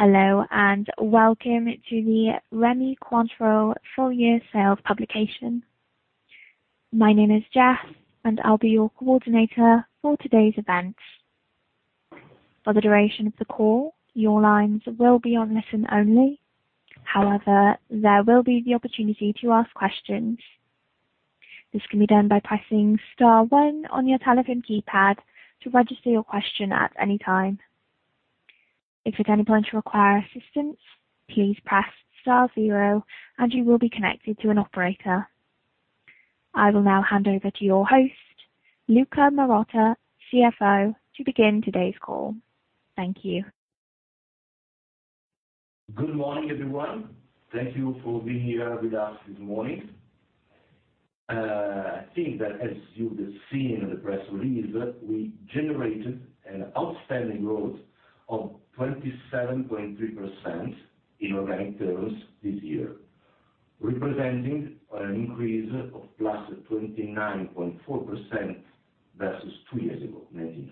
Hello and welcome to the Rémy Cointreau full year sales publication. My name is Jess, and I'll be your coordinator for today's event. For the duration of the call, your lines will be on listen only. However, there will be the opportunity to ask questions. This can be done by pressing star one on your telephone keypad to register your question at any time. If at any point you require assistance, please press star zero and you will be connected to an operator. I will now hand over to your host, Luca Marotta, CFO, to begin today's call. Thank you. Good morning, everyone. Thank you for being here with us this morning. I think that as you have seen in the press release, we generated an outstanding growth of 27.3% in organic terms this year, representing an increase of +29.4% versus two years ago, 2019-2020.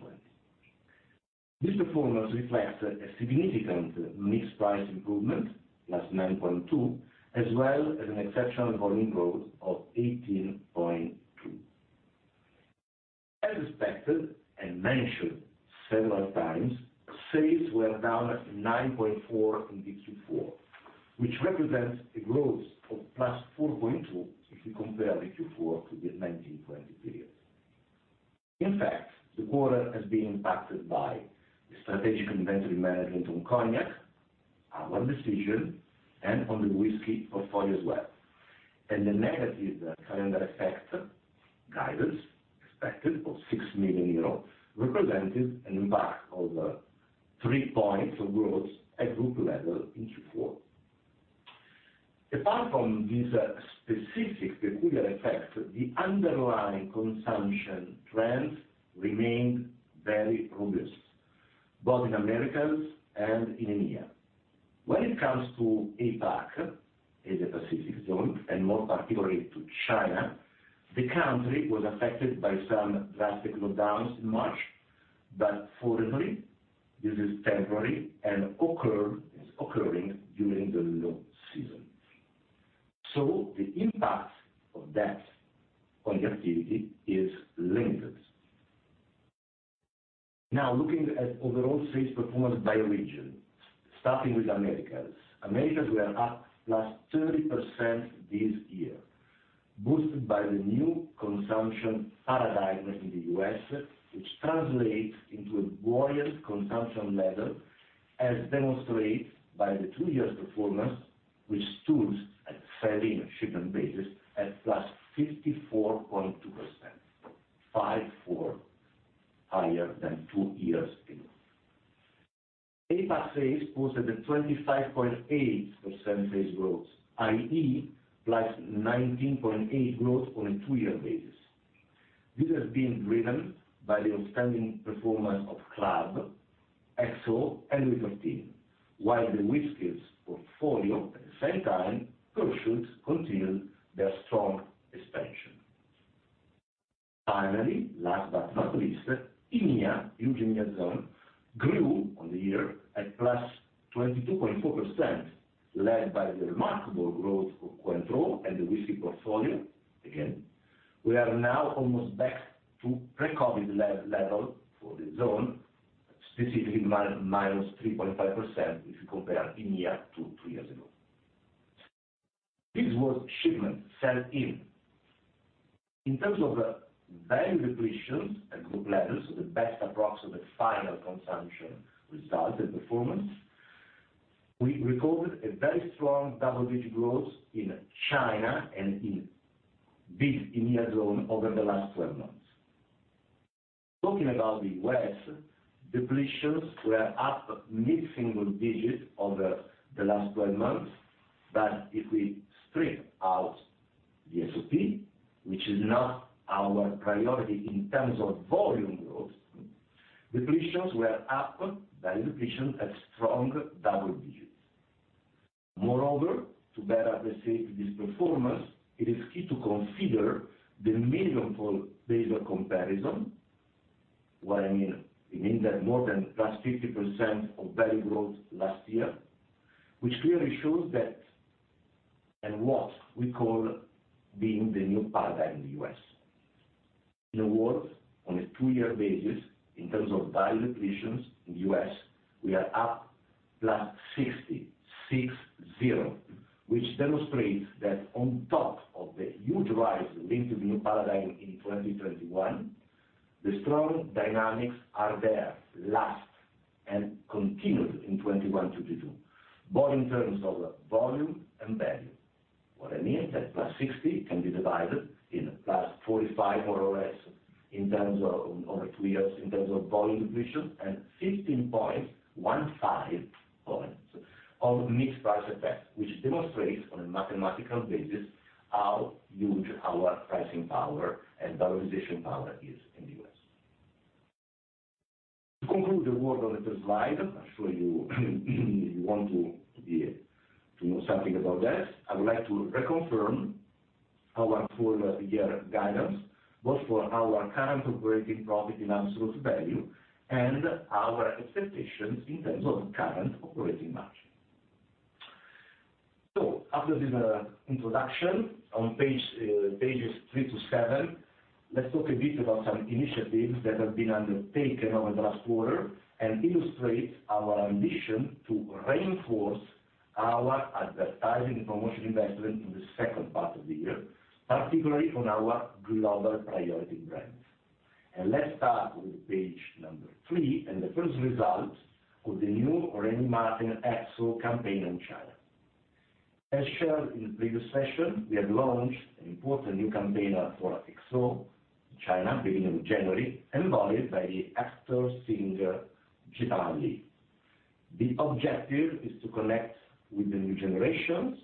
This performance reflects a significant mix price improvement, +9.2%, as well as an exceptional volume growth of 18.2%. As expected and mentioned several times, sales were down 9.4% in the Q4, which represents a growth of +4.2% if you compare the Q4 to the 2019-2020 period. In fact, the quarter has been impacted by the strategic inventory management on Cognac, our decision, and on the Whiskey portfolio as well. The negative calendar effect guidance expected of 6 million euros represented an impact of three points of growth at group level in Q4. Apart from these specific peculiar effects, the underlying consumption trends remained very robust, both in Americas and in EMEA. When it comes to APAC, Asia Pacific zone, and more particularly to China, the country was affected by some drastic lockdowns in March, but fortunately, this is temporary and is occurring during the low season. The impact of that on the activity is limited. Now looking at overall sales performance by region, starting with Americas. Americas were up +30% this year, boosted by the new consumption paradigm in the US, which translates into a buoyant consumption level as demonstrated by the two-year performance, which stood at sell-in and ship-in basis at +54.2%. 54% higher than two years ago. APAC sales posted a 25.8% sales growth, i.e., +19.8% growth on a two-year basis. This has been driven by the outstanding performance of CLUB, XO, and LOUIS XIII, while the Whiskeys portfolio at the same time continued their strong expansion. Finally, last but not least, EMEA, Europe, Middle East zone, grew on the year at +22.4%, led by the remarkable growth of Cointreau and the Whiskey portfolio, again. We are now almost back to pre-COVID level for the zone, specifically -3.5% if you compare EMEA to two years ago. This was shipment sell-in. In terms of value depletions at group levels, the best approximation of the final consumption result and performance, we recorded a very strong double-digit growth in China and in this EMEA zone over the last twelve months. Talking about the US, depletions were up mid-single digits over the last twelve months, but if we strip out the SOP, which is not our priority in terms of volume growth, depletions were up value depletions at strong double digits. Moreover, to better appreciate this performance, it is key to consider the meaningful base of comparison. What I mean, it means that more than +50% of value growth last year, which clearly shows that and what we call being the new paradigm in the US. In a word, on a two-year basis, in terms of value depletions in the US, we are up +60%, which demonstrates that on top of the huge rise linked to the new paradigm in 2021, the strong dynamics are there, lasting and continued in 2021, 2022, both in terms of volume and value. What I mean is that +60% can be divided in +45% more or less in terms of, over two years in terms of volume depletion and 15 points, 1.5 points of mix price effect, which demonstrates on a mathematical basis how huge our pricing power and valorization power is in the US. To conclude a word on the slide, I'm sure you want to know something about that. I would like to reconfirm our full year guidance, both for our current operating profit in absolute value and our expectations in terms of current operating margin. After this introduction on pages 3 to 7, let's talk a bit about some initiatives that have been undertaken over the last quarter and illustrate our ambition to reinforce our advertising & promotion investment in the second part of the year, particularly on our global priority brands. Let's start with page number 3 and the first result of the new Rémy Martin XO campaign in China. As shared in the previous session, we have launched an important new campaign for XO China beginning of January, embodied by the actor-singer Jay Chou. The objective is to connect with the new generations.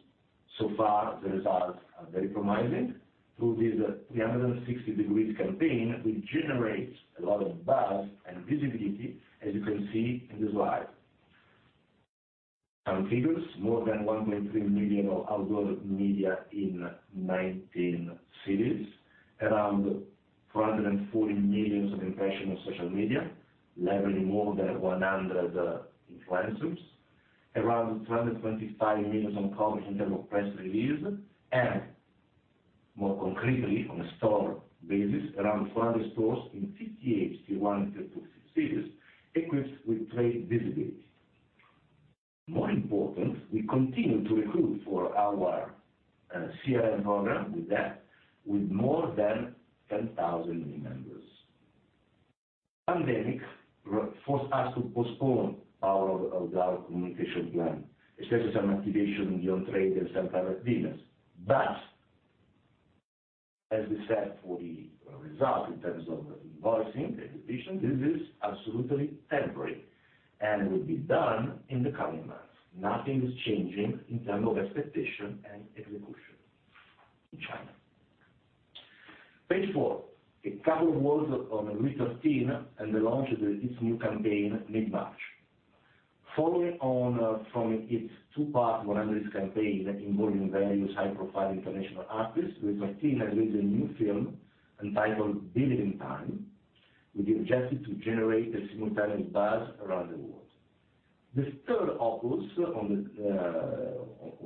So far, the results are very promising through this 360-degree campaign, which generates a lot of buzz and visibility, as you can see in the slide. Some figures, more than 1.3 million of outdoor media in 19 cities, around 440 million impressions on social media, leveraging more than 100 influencers, around 225 million on coverage in terms of press release, and more concretely on a store basis, around 400 stores in 58 tier one and tier two cities equipped with trade visibility. More important, we continue to recruit for our CRM program with that, with more than 10,000 new members. Pandemic forced us to postpone our communication plan, especially some activation in the on trade and some private dinners. As we said for the results in terms of invoicing execution, this is absolutely temporary and will be done in the coming months. Nothing is changing in terms of expectation and execution in China. Page four, a couple of words on LOUIS XIII and the launch of this new campaign mid-March. Following on from its two-part wonders campaign involving various high-profile international artists, LOUIS XIII has made a new film entitled Believe in Time, with the objective to generate a simultaneous buzz around the world. This third opus on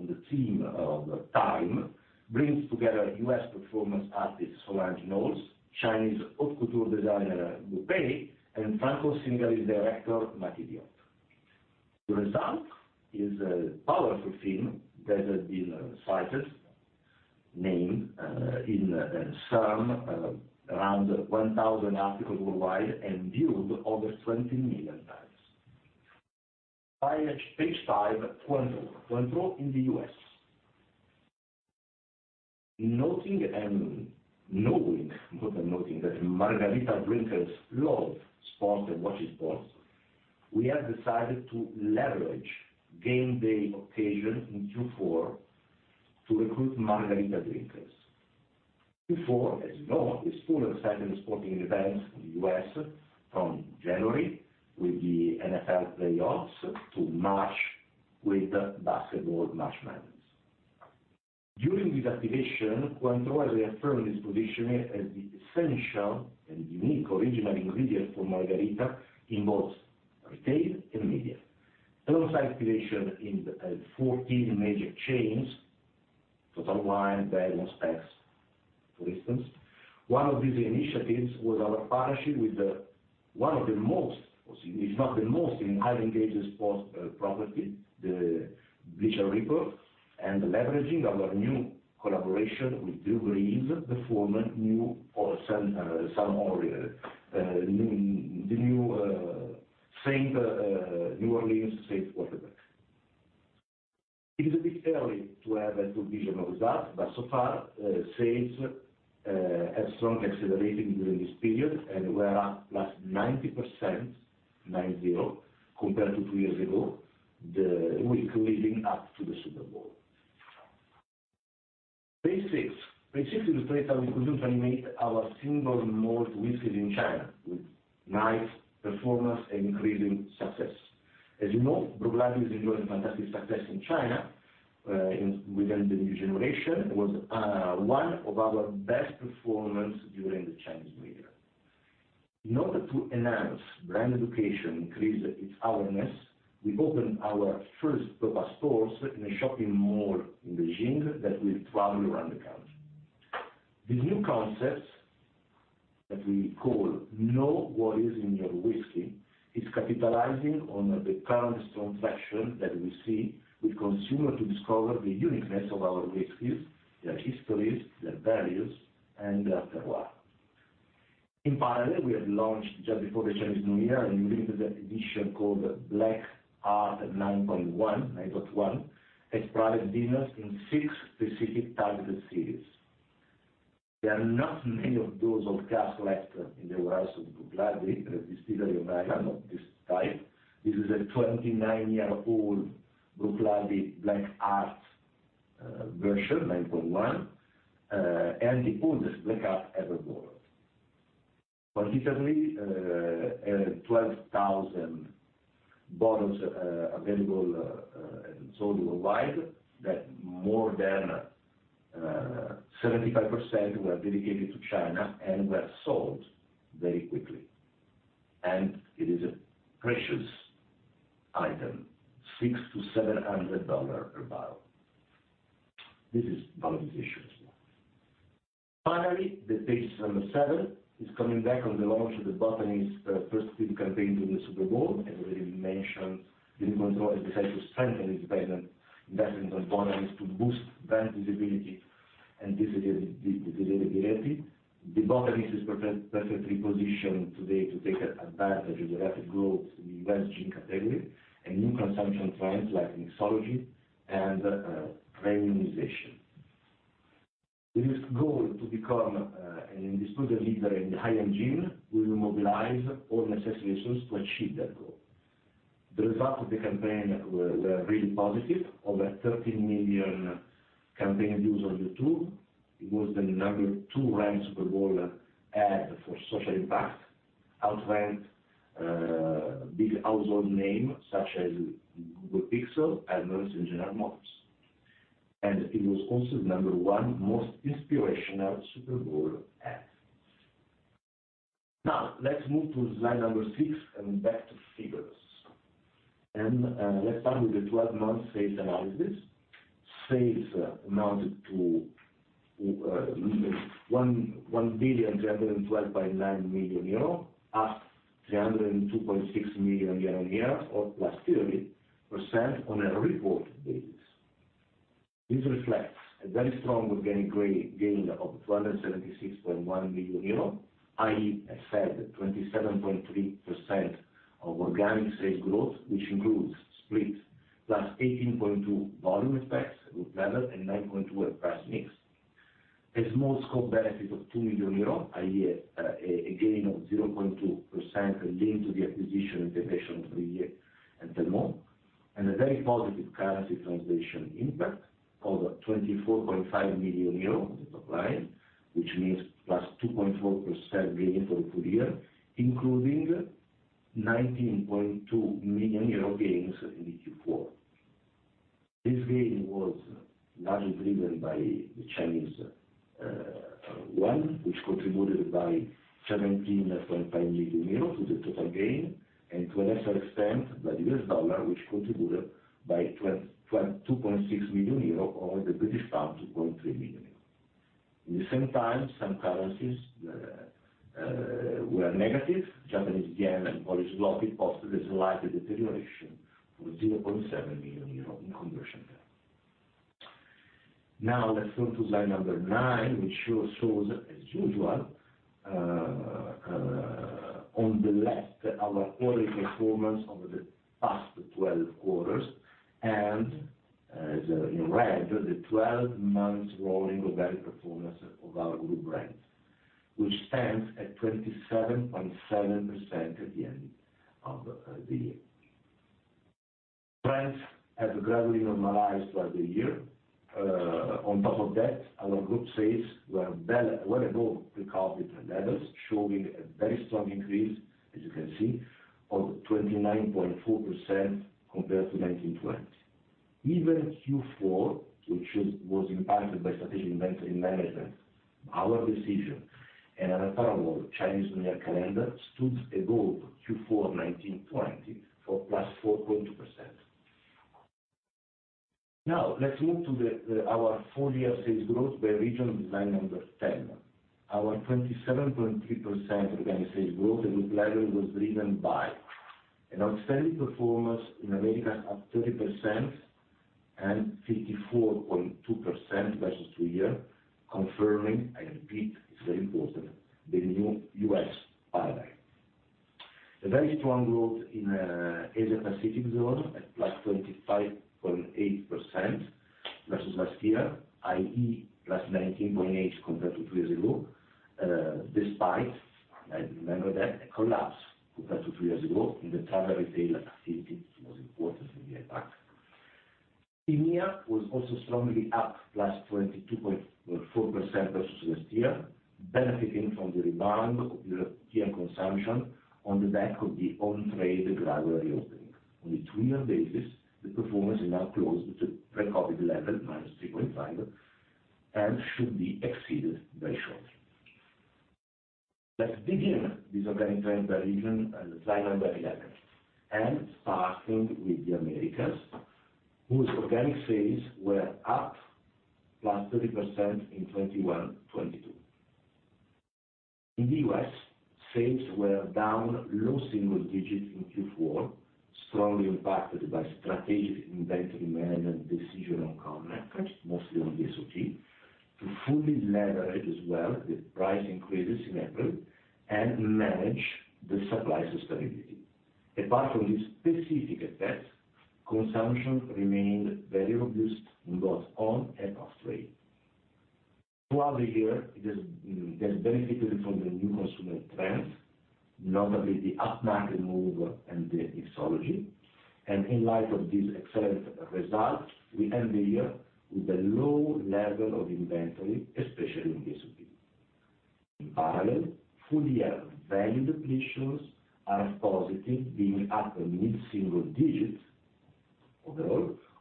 the theme of time brings together US performance artist Solange Knowles, Chinese haute couture designer Guo Pei, and Franco singer and director Mati Diop. The result is a powerful film that has been cited in around 1,000 articles worldwide and viewed over 20 million times. Page five, Cointreau. Cointreau in the US. Noting and knowing, more than noting that margarita drinkers love sports and watch sports, we have decided to leverage game day occasion in Q4 to recruit margarita drinkers. Q4, as you know, is full of exciting sporting events in the U.S. from January with the NFL playoffs to March with basketball March Madness. During this activation, Cointreau has reaffirmed its positioning as the essential and unique original ingredient for margarita in both retail and media. Alongside activation in 14 major chains, Total Wine, BevMo!, Spec's, for instance, one of these initiatives was our partnership with one of the most, if not the most, highly engaged sports property, the Bleacher Report, and leveraging our new collaboration with Drew Brees, the former New Orleans Saints quarterback. It is a bit early to have a good vision of results, but so far, sales have been strongly accelerating during this period and were up +90%, compared to two years ago, the week leading up to the Super Bowl. Page 6. Page 6 illustrates how we continue to animate our single malt whiskies in China with nice performance and increasing success. As you know, Bruichladdich is enjoying fantastic success in China within the new generation. It was one of our best performances during the Chinese New Year. In order to enhance brand education, increase its awareness, we've opened our first Bruichladdich stores in a shopping mall in Beijing that will travel around the country. These new concepts that we call Know What is in Your Whiskey is capitalizing on the current strong fashion that we see with consumer to discover the uniqueness of our whiskeys, their histories, their values, and their terroir. In parallel, we have launched just before the Chinese New Year a limited edition called Black Art 9.1 as private dinners in six specific targeted cities. There are not many of those old casks left in the warehouse of Bruichladdich, the distillery on Islay, of this type. This is a 29-year-old Bruichladdich Black Art version 9.1, and the oldest Black Art ever bought. Particularly, at 12,000 bottles available, sold worldwide, that more than 75% were dedicated to China and were sold very quickly. It is a precious item, $600-$700 per bottle. This is volume issue as well. Finally, page number seven is coming back on the launch of The Botanist, first big campaign during the Super Bowl, as already mentioned. Rémy Cointreau has decided to strengthen its presence, investment on The Botanist to boost brand visibility, and this is the delivery. The Botanist is perfectly positioned today to take advantage of the rapid growth in the US gin category and new consumption trends like mixology and premiumization. Its goal to become an undisputed leader in the high-end gin. We will mobilize all necessary resources to achieve that goal. The result of the campaign were really positive. Over 13 million campaign views on YouTube. It was the number two ranked Super Bowl ad for social impact. Outranked big household names such as Google Pixel and also General Motors. It was also the number one most inspirational Super Bowl ad. Now, let's move to slide number 6 and back to figures. Let's start with the 12-month sales analysis. Sales amounted to 1,312.9 million euro, up 302.6 million euro year-on-year or +30% on a reported basis. This reflects a very strong organic gain of 276.1 million euros, i.e., 27.3% organic sales growth, which includes split +18.2 volume effects at group level and 9.2 at price mix. A small scope benefit of 2 million euro, i.e., a gain of 0.2% linked to the acquisition integration of Lillet and Telmont, and a very positive currency translation impact of 24.5 million euros on the top line, which means +2.4% gain over full year, including 19.2 million euro gains in Q4. This gain was largely driven by the Chinese Yuan, which contributed by 17.5 million euros to the total gain, and to a lesser extent, by the US dollar, which contributed by 2.6 million euro, or the British Pound, 2.3 million. At the same time, some currencies were negative. Japanese yen and Polish zloty posted a slight deterioration of EUR 0.7 million in conversion term. Now, let's go to slide number nine, which shows, as usual, on the left, our organic performance over the past 12 quarters. In red, the 12 months rolling organic performance of our group brands, which stands at 27.7% at the end of the year. Trends have gradually normalized throughout the year. On top of that, our group sales were well above pre-COVID levels, showing a very strong increase, as you can see, of 29.4% compared to 2019/2020. Even Q4, which was impacted by strategic inventory management, our decision and, furthermore, Chinese New Year calendar, stood above Q4 2019/2020 for +4.2%. Now, let's move to our full-year sales growth by region, slide number ten. Our 27.3% organic sales growth at group level was driven by an outstanding performance in Americas, up 30% and 54.2% versus two-year, confirming, I repeat, it's very important, the new US paradigm. A very strong growth in Asia Pacific zone at +25.8% versus last year, i.e., +19.8 compared to two years ago. Despite, and remember that, a collapse compared to two years ago in the travel retail activity, which was important in the impact. EMEA was also strongly up, +22.4% versus last year, benefiting from the rebound of European consumption on the back of the on-trade gradual reopening. On a three-year basis, the performance is now close to pre-COVID level, -3.5, and should be exceeded very shortly. Let's dig in this organic trend by region on slide number 11. Starting with the Americas, whose organic sales were up +30% in 2021/2022. In the US, sales were down low single digits in Q4, strongly impacted by strategic inventory management decision on core metrics, mostly on the SOT, to fully leverage as well the price increases in April and manage the supply sustainability. Apart from this specific effect, consumption remained very robust in both on and off-trade. Throughout the year, it has benefited from the new consumer trends. Notably the upmarket move and the mixology. In light of these excellent results, we end the year with a low level of inventory, especially in VSOP. In parallel, full year value depletions are positive, being up mid-single digits overall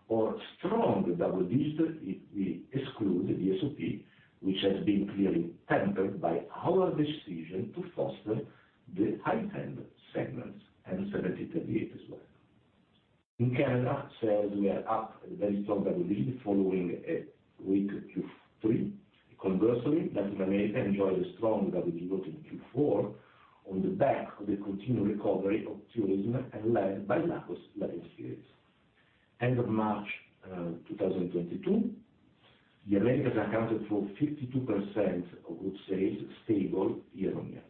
or strong double digits if we exclude VSOP, which has been clearly tempered by our decision to foster the high-end segments and 1738 as well. In Canada, sales were up very strong double-digit following a weak Q3. Conversely, Latin America enjoyed a strong double-digit growth in Q4 on the back of the continued recovery of tourism and led by liquors, wine, and spirits. End of March 2022, the Americas accounted for 52% of group sales stable year-on-year.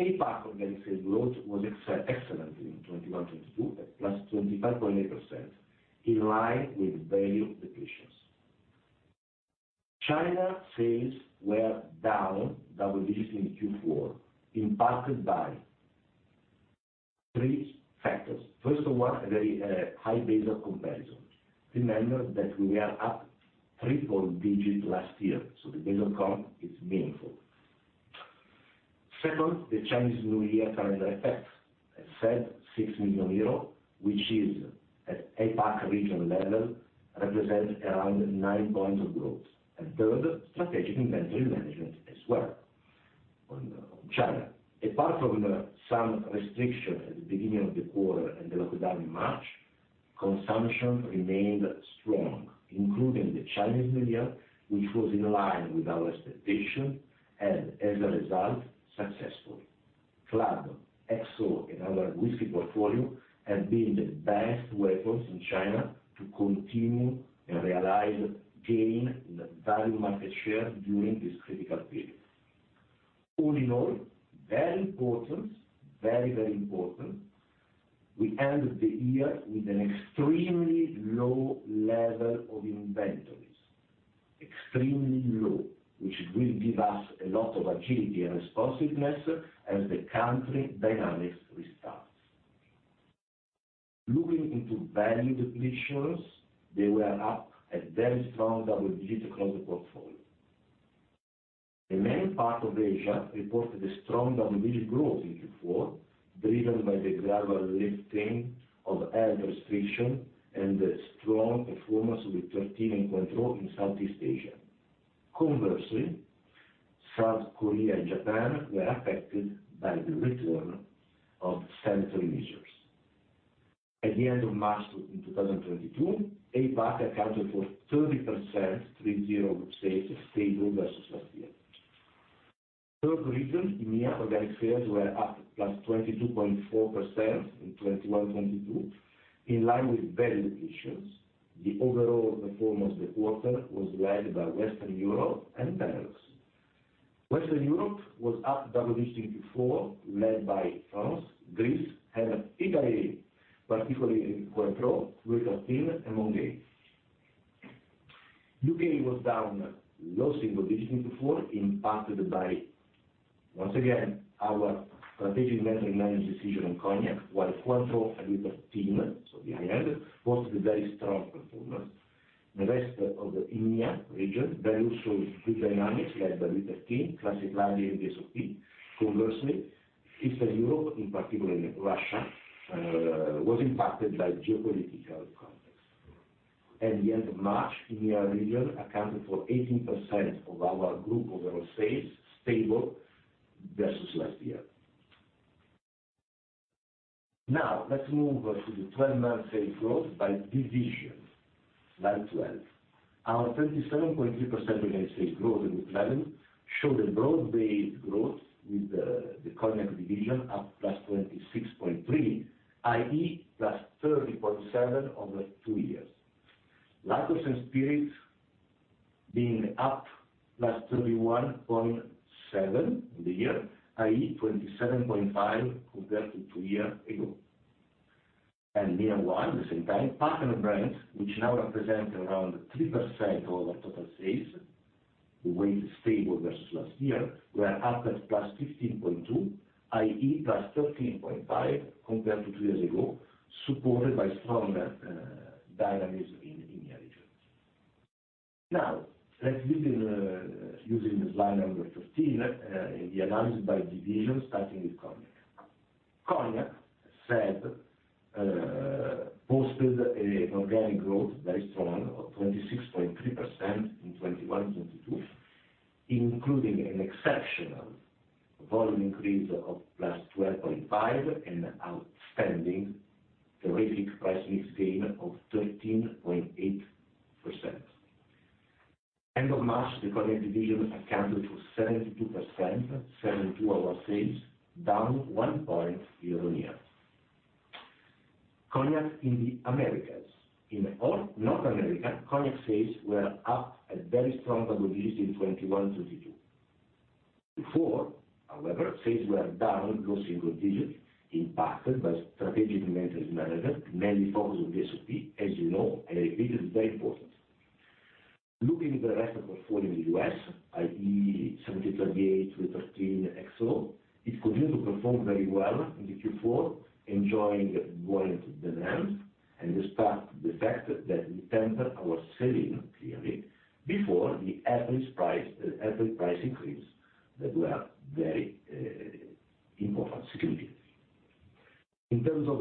APAC organic sales growth was excellent in 2021-2022 at +25.8% in line with value depletions. China sales were down double digits in Q4, impacted by three factors. First of all, a very high base of comparison. Remember that we are up triple-digit last year, so the base account is meaningful. Second, the Chinese New Year calendar effect, as said, 6 million euro, which is at APAC regional level, represents around 9 points of growth. Third, strategic inventory management as well on China. Apart from some restriction at the beginning of the quarter and the lockdown in March, consumption remained strong, including the Chinese New Year, which was in line with our expectation and as a result, successful. CLUB, XO and other whiskey portfolio have been the best weapons in China to continue and realize gain in the value market share during this critical period. All in all, very important, we end the year with an extremely low level of inventories. Extremely low, which will give us a lot of agility and responsiveness as the country dynamics restarts. Looking into value depletions, they were up a very strong double digits across the portfolio. The main part of Asia reported a strong double-digit growth in Q4, driven by the gradual lifting of health restriction and the strong performance with LOUIS XIII and Cointreau in Southeast Asia. Conversely, South Korea and Japan were affected by the return of sanitary measures. At the end of March 2022, APAC accounted for 30% group sales stable versus last year. Third region, EMEA organic sales were up +22.4% in 2021-22 in line with value depletions. The overall performance of the quarter was led by Western Europe and Benelux. Western Europe was up double digits in Q4, led by France, Greece and Italy, particularly Cointreau with LOUIS XIII and METAXA. UK was down low single digits in Q4, impacted by once again our strategic inventory management decision on cognac, while Cointreau and LOUIS XIII, so the high end, posted a very strong performance. The rest of the EMEA region, very good dynamics led by LOUIS XIII, Classic Laddie and VSOP. Conversely, Eastern Europe, in particular Russia, was impacted by geopolitical context. At the end of March, EMEA region accounted for 18% of our group overall sales, stable versus last year. Now, let's move to the 12-month sales growth by division, slide 12. Our 37.3% organic sales growth in group level show the broad-based growth with the cognac division up +26.3, i.e., +30.7 over two years. Liquors and spirits being up +31.7 in the year, i.e., 27.5 compared to two years ago. Near one, at the same time, partner brands, which now represent around 3% of our total sales, the rate is stable versus last year, were up at +15.2, i.e., +13.5 compared to two years ago, supported by stronger dynamics in EMEA region. Now, let's begin using the slide number 15 in the analysis by division, starting with cognac. Cognac sales posted an organic growth very strong of 26.3% in 2021-2022, including an exceptional volume increase of +12.5 and outstanding terrific price mix gain of 13.8%. End of March, the cognac division accounted for 72% of our sales, down 1 point year-on-year. Cognac in the Americas. In all North America, cognac sales were up a very strong double digits in 2021-2022. Q4, however, sales were down low single digits impacted by strategic inventory management, mainly focus on VSOP, as you know, and repeat, it is very important. Looking at the rest of portfolio in the US, i.e., 1738, LOUIS XIII, XO, it continued to perform very well in the Q4, enjoying buoyant demand and despite the fact that we tempered our selling clearly before the average price increase that were very important certainly. In terms of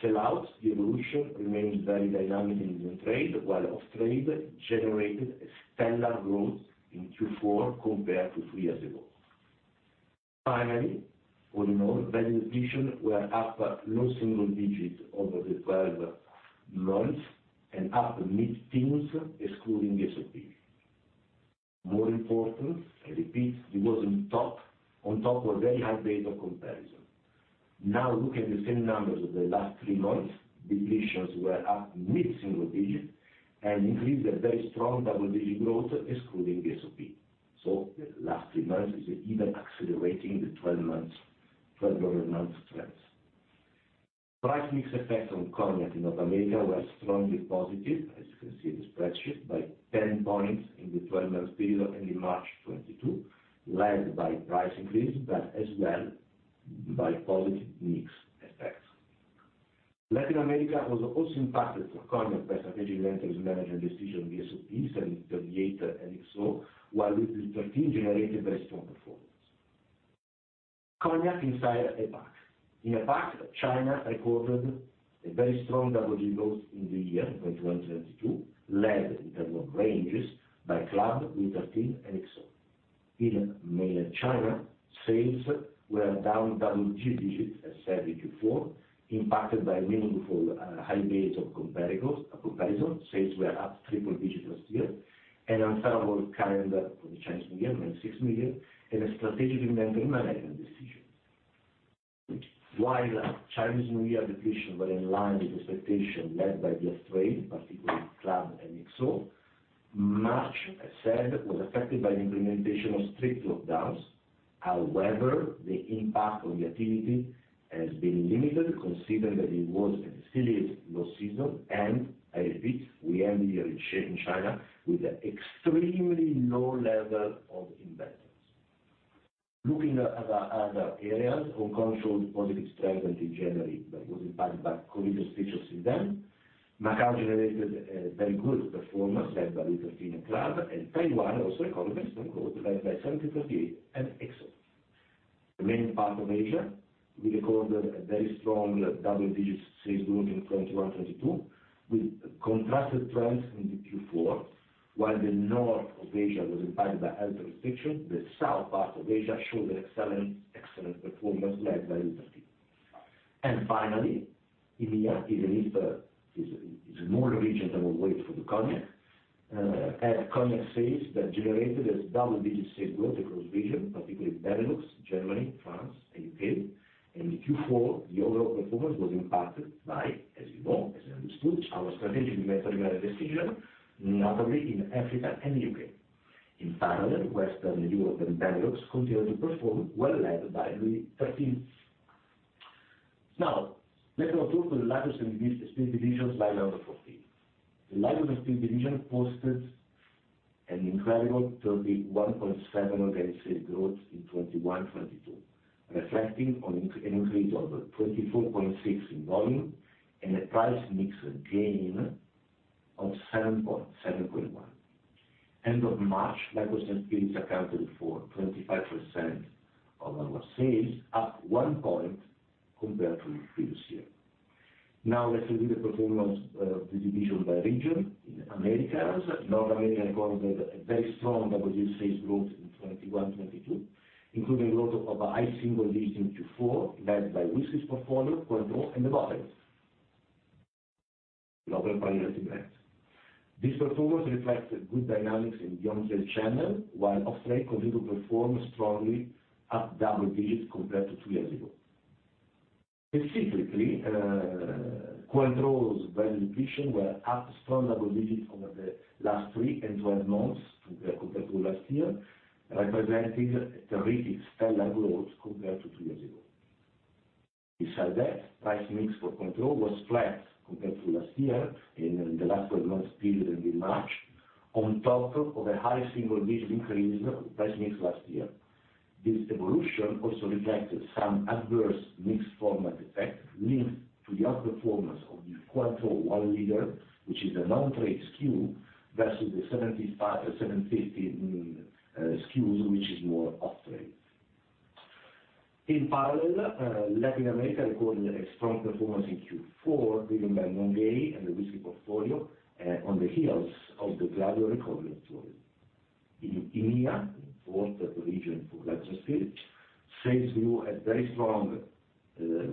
sell-outs, the evolution remains very dynamic in on-trade, while off-trade generated a stellar growth in Q4 compared to three years ago. Finally, all in all, value addition were up low single digit over the twelve months and up mid-teens excluding VSOP. More important, I repeat, it was on top of a very high base of comparison. Now look at the same numbers of the last three months. Depletions were up mid-single-digit and increased a very strong double-digit growth excluding the VSOP. The last three months is even accelerating the 12 months, 12 growing months trends. Price mix effects on cognac in North America were strongly positive, as you can see in the spreadsheet, by 10 points in the 12-month period ending March 2022, led by price increase, but as well by positive mix effects. Latin America was also impacted for cognac by strategic inventory management decision via VSOP, 1738 and XO, while Tercet generated very strong performance. Cognac in APAC. In APAC, China recorded a very strong double-digit growth in the year 2021-2022, led in terms of ranges by CLUB, Tercet, and XO. In mainland China, sales were down double-digits as said in Q4, impacted by meaningful high base of comparison. Sales were up triple digits last year and unfavorable calendar for the Chinese New Year, EUR 96 million, and a strategic inventory management decision. While Chinese New Year depletion were in line with expectation led by the off-trade, particularly Club and XO, March, I said, was affected by the implementation of strict lockdowns. However, the impact on the activity has been limited considering that it was and still is low season and, I repeat, we end the year in China with an extremely low level of investments. Looking at other areas, Hong Kong showed positive strength until January, but it was impacted by COVID restrictions since then. Macau generated a very good performance led by 1738 and Club, and Taiwan also recorded strong growth led by 1738 and XO. The main part of Asia, we recorded a very strong double-digit sales growth in 2021-2022, with contrasted trends in the Q4. While the north of Asia was impacted by health restriction, the south part of Asia showed excellent performance led by Three Thirteen. Finally, EMEA is a mature region had cognac sales that generated a double-digit sales growth across the region, particularly Benelux, Germany, France, and UK. In Q4, the overall performance was impacted by, as you know, as I understood, our strategic inventory management decision, notably in Africa and the UK. In parallel, Western Europe and Benelux continued to perform well led by Three Thirteen. Now, let me talk to the largest the spirit division slide number 14. The largest spirit division posted an incredible 31.7% organic sales growth in 2021-22, reflecting an increase of 24.6% in volume and a price mix gain of 7.1%. End of March, largest spirits accounted for 25% of our sales, up 1% compared to previous year. Now let's review the performance of the division by region. In Americas, North America recorded a very strong double-digit sales growth in 2021-22, including growth of a high single digit in Q4, led by whiskey's portfolio, Cointreau and The Botanist, global priority brands. This performance reflects good dynamics in the on-trade channel, while off-trade continued to perform strongly at double digits compared to two years ago. Specifically, Cointreau's value addition were up strong double digits over the last 3 and 12 months compared to last year, representing a terrific stellar growth compared to 2 years ago. Besides that, price mix for Cointreau was flat compared to last year in the last 12 months period ending March, on top of a high single-digit increase of price mix last year. This evolution also reflected some adverse mix format effect linked to the outperformance of the Cointreau 1-liter, which is a off-trade SKU, versus the 75, 750 SKUs, which is more on-trade. In parallel, Latin America recorded a strong performance in Q4, driven by Mount Gay and the whiskey portfolio, on the heels of the gradual recovery of tourism. In EMEA, important region for largest spirit, sales grew a very strong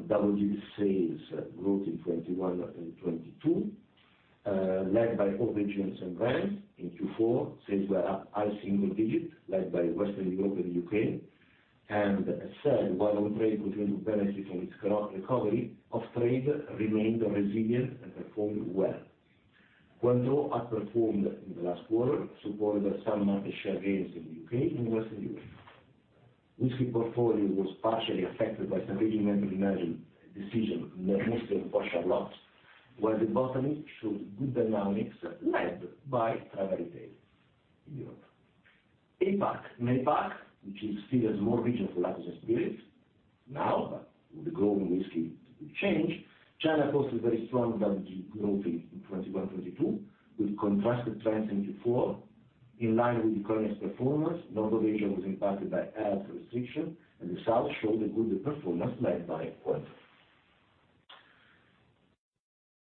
double-digit sales growth in 2021 and 2022, led by all regions and brands. In Q4, sales were up high single digit led by Western Europe and the UK. As said, while on-trade continued to benefit from its recovery, off-trade remained resilient and performed well. Cointreau outperformed in the last quarter, supported by some market share gains in the UK and Western Europe. Whiskey portfolio was partially affected by strategic management decision in the mixed portion lots, where The Botanist showed good dynamics led by travel retail in Europe. APAC. In APAC, which is still has more regional lagers and spirits now, but with the growing whiskey will change. China posted very strong double-digit growth in 2021, 2022, with contrasted trends in Q4 in line with the cognac's performance. Northern Asia was impacted by health restrictions, and the South showed a good performance led by Korea.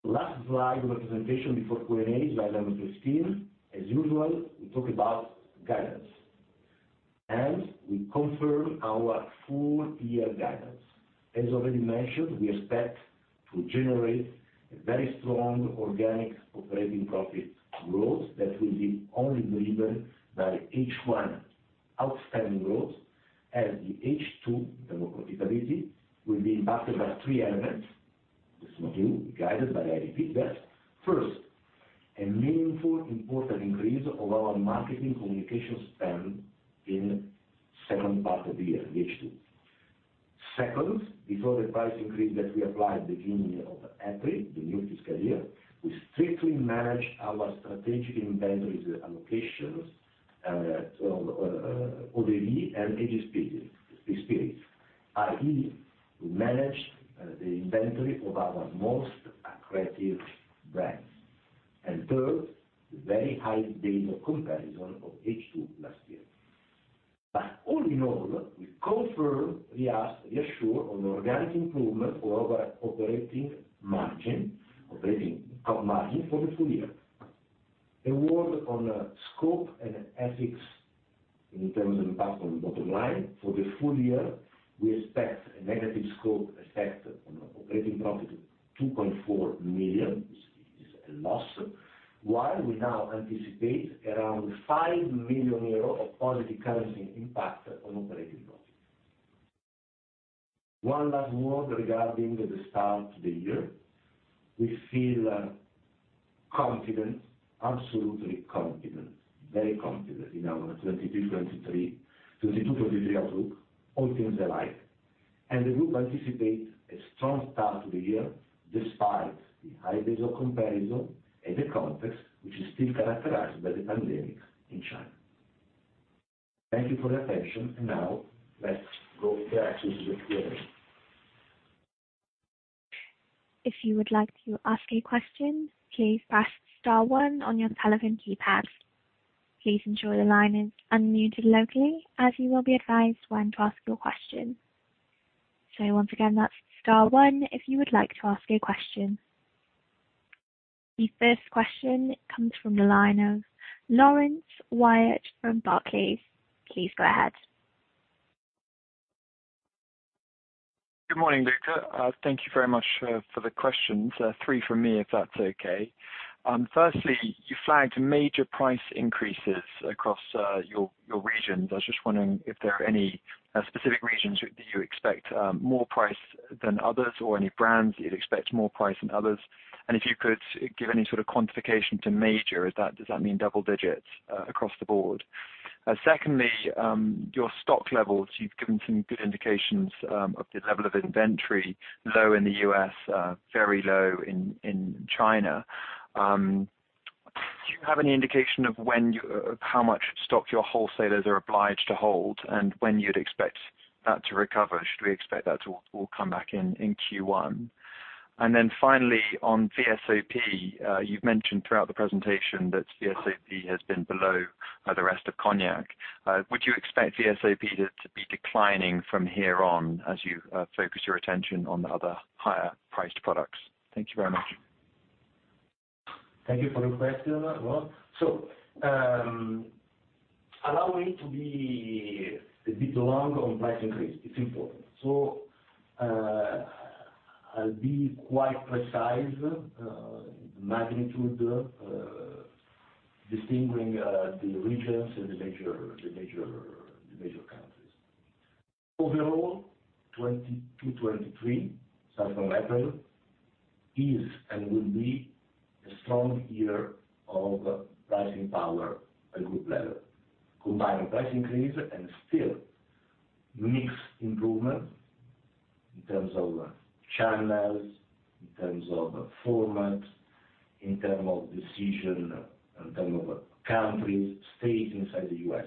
Last slide of the presentation before Q&A, slide number 15. As usual, we talk about guidance, and we confirm our full-year guidance. As already mentioned, we expect to generate a very strong organic operating profit growth that will be only delivered by H1 outstanding growth as the H2 diminished profitability will be impacted by three elements. Let me just repeat that. First, a meaningful and important increase of our marketing communication spend in second part of the year, in H2. Second, before the price increase that we applied at the beginning of April, the new fiscal year, we strictly manage our strategic inventories allocations of eaux-de-vie and aged spirits, i.e., we manage the inventory of our most accretive brands. Third, the very high base of comparison of H2 last year. All in all, we confirm, reassure on organic improvement for our operating margin, operating cost margin for the full year. A word on scope and FX in terms of impact on the bottom line. For the full year, we expect a negative scope effect on operating profit of 2.4 million, which is a loss, while we now anticipate around 5 million euros of positive currency impact on operating profit. One last word regarding the start of the year. We feel confident, absolutely confident, very confident in our 2022-2023 outlook, all things alike. The group anticipate a strong start to the year despite the high base of comparison and the context, which is still characterized by the pandemic in China. Thank you for your attention. Now let's go interact with the Q&A. If you would like to ask a question, please press star one on your telephone keypad. Please ensure the line is unmuted locally as you will be advised when to ask your question. Once again, that's star one if you would like to ask a question. The first question comes from the line of Laurence Whyatt from Barclays. Please go ahead. Good morning, Luca. Thank you very much for the questions. Three from me, if that's okay. Firstly, you flagged major price increases across your regions. I was just wondering if there are any specific regions where do you expect more price than others or any brands you'd expect more price than others? And if you could give any sort of quantification to major, does that mean double digits across the board? Secondly, your stock levels, you've given some good indications of the level of inventory, low in the U.S., very low in China. Do you have any indication of how much stock your wholesalers are obliged to hold and when you'd expect that to recover? Should we expect that to all come back in Q1? On VSOP, you've mentioned throughout the presentation that VSOP has been below the rest of cognac. Would you expect VSOP to be declining from here on as you focus your attention on the other higher-priced products? Thank you very much. Thank you for the question, Lau. Allow me to be a bit long on price increase. It's important. I'll be quite precise, magnitude, distinguishing the regions and the major countries. Overall, 2022-2023, start from April, is and will be a strong year of pricing power at group level. Combined price increase and sales mix improvement in terms of channels, in terms of format, in terms of destination, in terms of countries, states inside the US.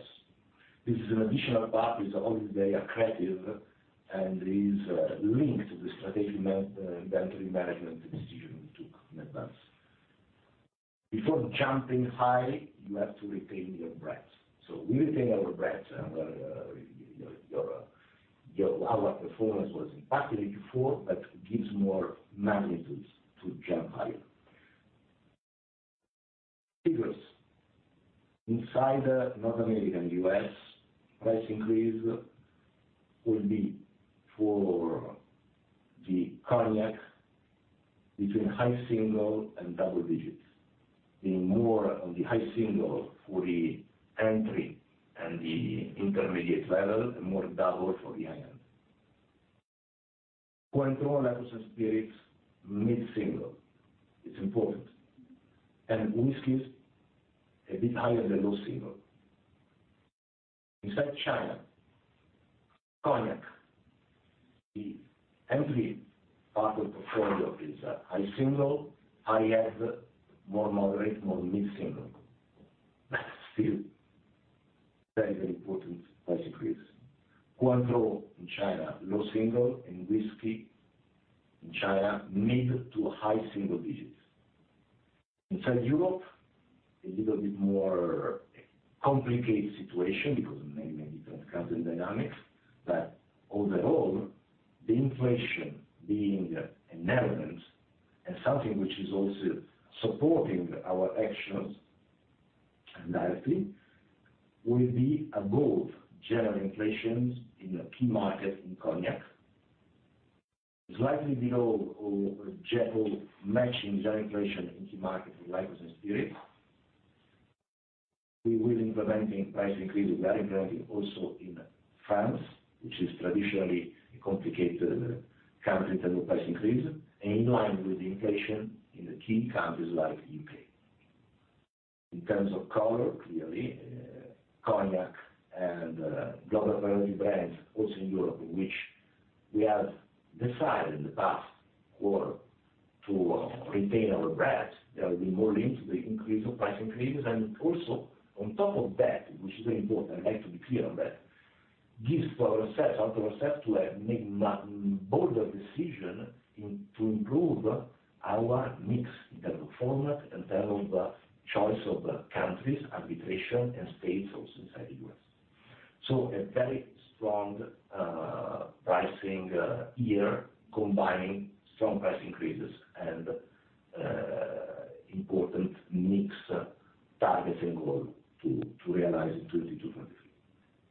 This is an additional part, is always very accretive and is linked to the strategic inventory management decision we took in advance. Before jumping high, you have to hold your breath. We hold our breath and our performance was impacted in Q4, but gives more magnitude to jump higher. Figures. Inside North America, US, price increase will be for the cognac between high single and double digits, being more on the high single for the entry and the intermediate level and more double. Cointreau, liqueurs and spirits, mid-single. It's important. Whiskeys, a bit higher than low single. Inside China, cognac, the entry part of portfolio is high single, high end, more moderate, more mid-single. Still very, very important price increase. Cointreau in China, low single, and whiskey in China, mid to high single digits. Inside Europe, a little bit more complicated situation because of many, many different country dynamics. Overall, the inflation being inevitable and something which is also supporting our actions directly, will be above general inflation in key markets in cognac. Slightly below or generally matching general inflation in key markets in liqueurs and spirits. We are implementing price increases, we are implementing also in France, which is traditionally a complicated country in terms of price increases, and in line with the inflation in the key countries like U.K. In terms of core, clearly, cognac and global priority brands also in Europe, which we have decided in the past quarter to retain our brands. There will be more linked to the increase of price increases. Also on top of that, which is very important, I'd like to be clear on that, gives us to make a bolder decision to improve our mix in terms of format, in terms of choice of countries, arbitrage, and states also inside the U.S. A very strong pricing year combining strong price increases and important mix targeting goal to realize in 2022, 2023.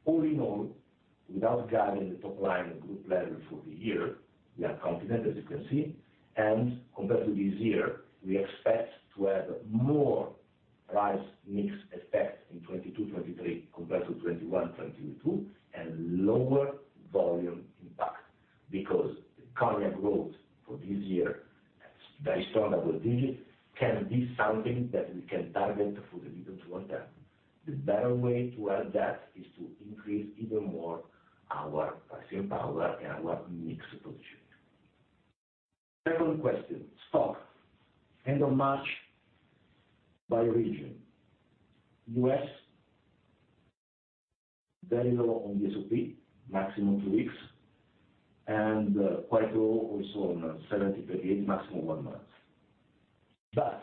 All in all, without guiding the top line group level for the year, we are confident as you can see. Compared to this year, we expect to have more price mix effect in 2022-2023 compared to 2021-2022, and lower volume impact. Because the cognac growth for this year at very strong double digits can be something that we can target for the medium to long term. The better way to have that is to increase even more our pricing power and our mix position. Second question, stock. End of March by region. U.S., very low on VSOP, maximum two weeks, and quite low also on 1738, maximum one month. But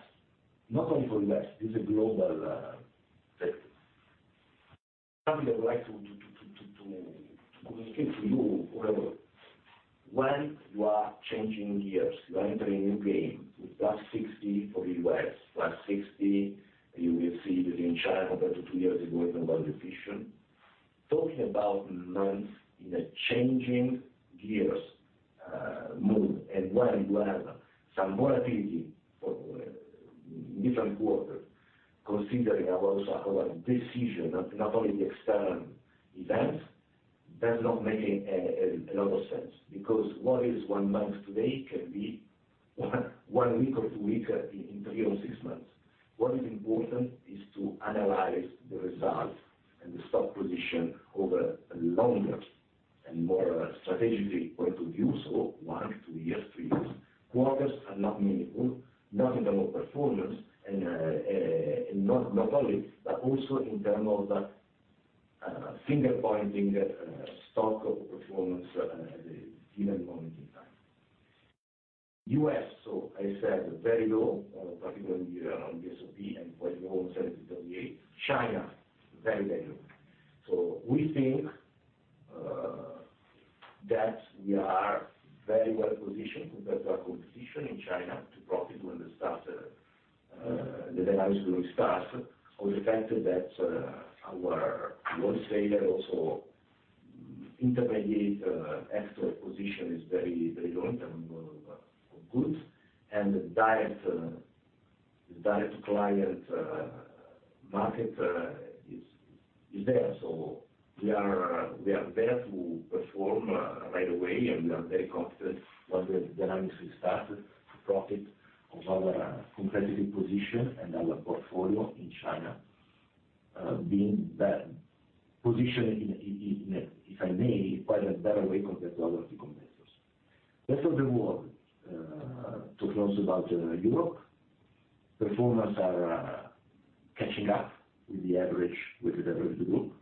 not only for U.S., this is a global take. Something I would like to communicate to you, however, when you are changing gears, you are entering a new game with +60% for the US, +60% you will see that in China compared to 2 years ago in terms of competition. Talking about months in a changing gears mood, and when you have some volatility for different quarters, considering also our decision, not only the external events, does not make a lot of sense. Because what is one month today can be one week or two week in 3 or 6 months. What is important is to analyze the results and the stock position over a longer and more strategic point of view. One, 2 years, 3 years. Quarters are not meaningful, not in terms of performance and not only, but also in terms of finger-pointing, stock performance at a given moment in time. US, so I said, very low, particularly around VSOP and quite low on 1738. China, very, very low. So we think that we are very well positioned compared to our competition in China to profit when the dynamics will start. Also the fact that our wholesaler, also intermediate, export position is very, very low in terms of goods. The direct client market is there. We are there to perform right away, and we are very confident once the dynamics restart to profit from our competitive position and our portfolio in China, being better positioned in a, if I may, quite a better way compared to other competitors. Rest of the world, to close about Europe, performance are catching up with the average of the group.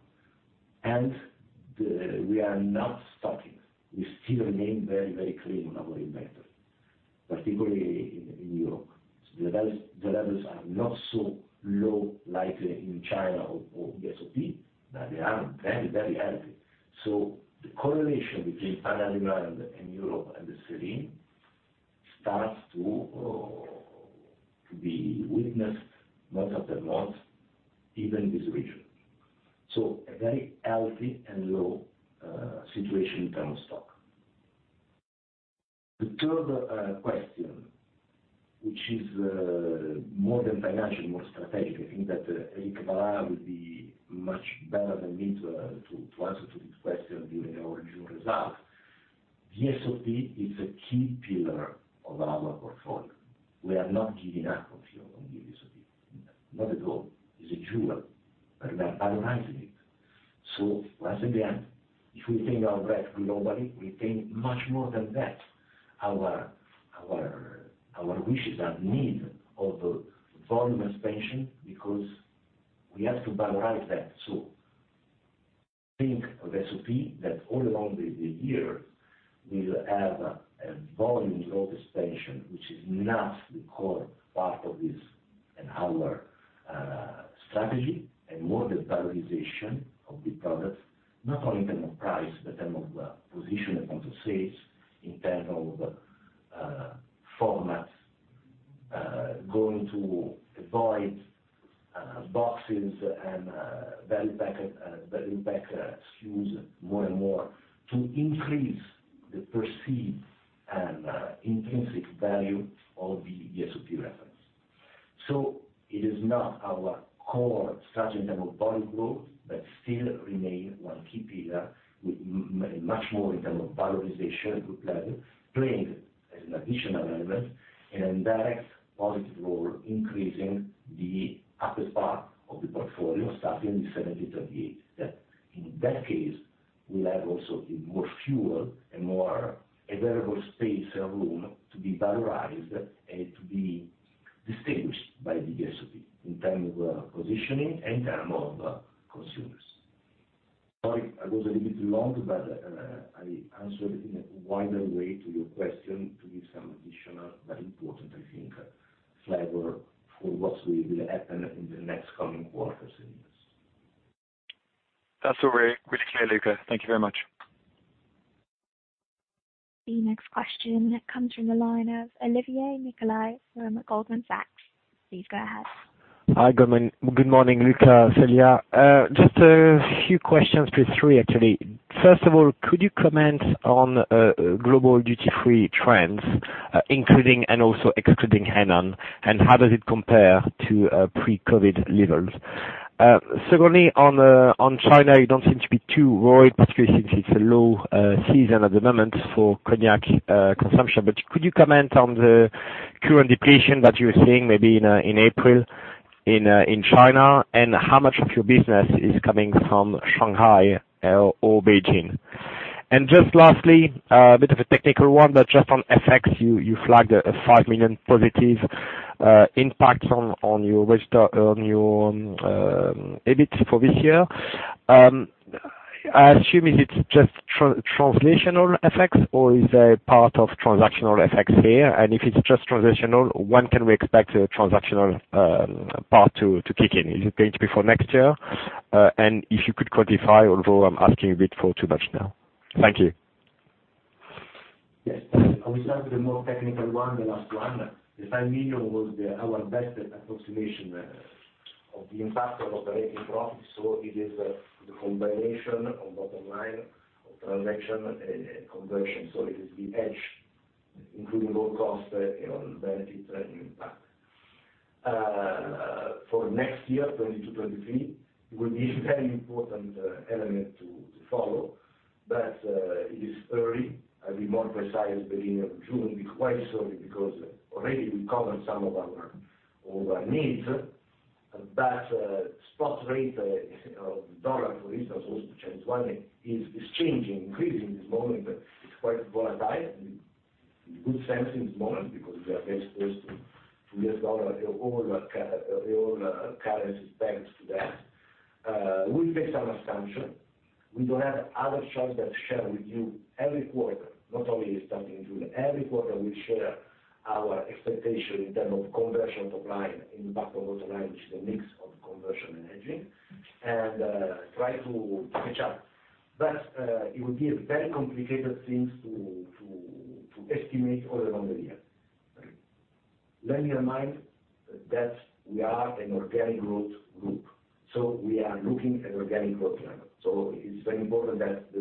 We are not stocking. We still remain very clean on our inventory, particularly in Europe. The levels are not so low like in China or VSOP, but they are very healthy. The correlation between sell-in and Europe and the selling starts to be witnessed month after month, even in this region. A very healthy and low situation in terms of stock. The third question, which is more than financial, more strategic. I think that Éric Vallat will be much better than me to answer to this question during our June results. VSOP is a key pillar of our portfolio. We are not giving up on the VSOP, not at all. It's a jewel, but we are valorizing it. Once again, if we think of that globally, we think much more than that. Our wish is the need of volume expansion because we have to valorize that. Think of VSOP that all along the year will have a volume growth expansion, which is not the core part of this and our strategy, and more the valorization of the products, not only in terms of price, but in terms of positioning on the shelves, in terms of format, going to avoid boxes and very packed SKUs more and more to increase the perceived and intrinsic value of the VSOP reference. It is not our core strategy in terms of volume growth, but still remain one key pillar with much more in terms of valorization at group level, playing as an additional element and a direct positive role, increasing the upper part of the portfolio starting in 1738, that in that case, we'll have also more fuel and more available space and room to be valorized and to be distinguished by the VSOP in terms of positioning, in terms of consumers. Sorry, I was a little bit long, but I answered in a wider way to your question to give some additional, very important, I think, flavor for what will happen in the next coming quarters in this. That's all very pretty clear, Luca. Thank you very much. The next question comes from the line of Olivier Nicolai from Goldman Sachs. Please go ahead. Hi, Olivier. Good morning, Luca, Célia. Just a few questions, please. Three, actually. First of all, could you comment on global duty-free trends, including and also excluding Hainan, and how does it compare to pre-COVID levels? Secondly, on China, you don't seem to be too worried, particularly since it's a low season at the moment for cognac consumption. Could you comment on the current depletion that you're seeing maybe in April in China? And how much of your business is coming from Shanghai or Beijing? And just lastly, a bit of a technical one, but just on FX, you flagged a 5 million positive impact on your EBIT for this year. I assume it's just translational FX or is there a part of transactional FX here? If it's just translational, when can we expect a transactional part to kick in? Is it going to be for next year? If you could quantify, although I'm asking a bit too much now. Thank you. Yes. I will start with the more technical one, the last one. The five million was our best approximation of the impact of operating profits. So it is the combination of bottom line of transaction and conversion. So it is the hedge, including all costs and benefit and impact. For next year, 2022, 2023, it will be a very important element to follow. But it is early. I'll be more precise beginning of June, quite so, because already we covered all our needs. But spot rate of the dollar, for instance, also to Chinese yuan is changing, increasing at this moment. It's quite volatile. In good sense at this moment because we are very exposed to US dollar. All our currencies peg to that. We make some assumption. We don't have other choice but to share with you every quarter, not only starting June. Every quarter we share our expectation in terms of conversion top line, impact on bottom line, which is the mix of conversion and hedging, and try to catch up. It will be a very complicated things to estimate all along the year. Bearing in mind that we are an organic growth group, so we are looking at organic growth level. It's very important that the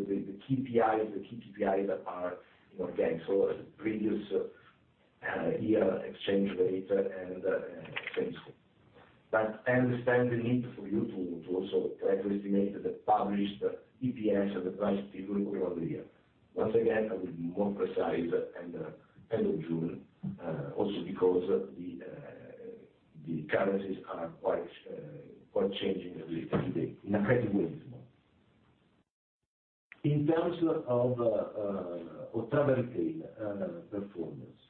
KPIs, the key KPIs are organic. Previous year exchange rate and so on. I understand the need for you to also try to estimate the published EPS and the P/E along the year. Once again, I will be more precise and end of June, also because the currencies are quite changing every day, in a crazy way at this moment. In terms of travel retail performance.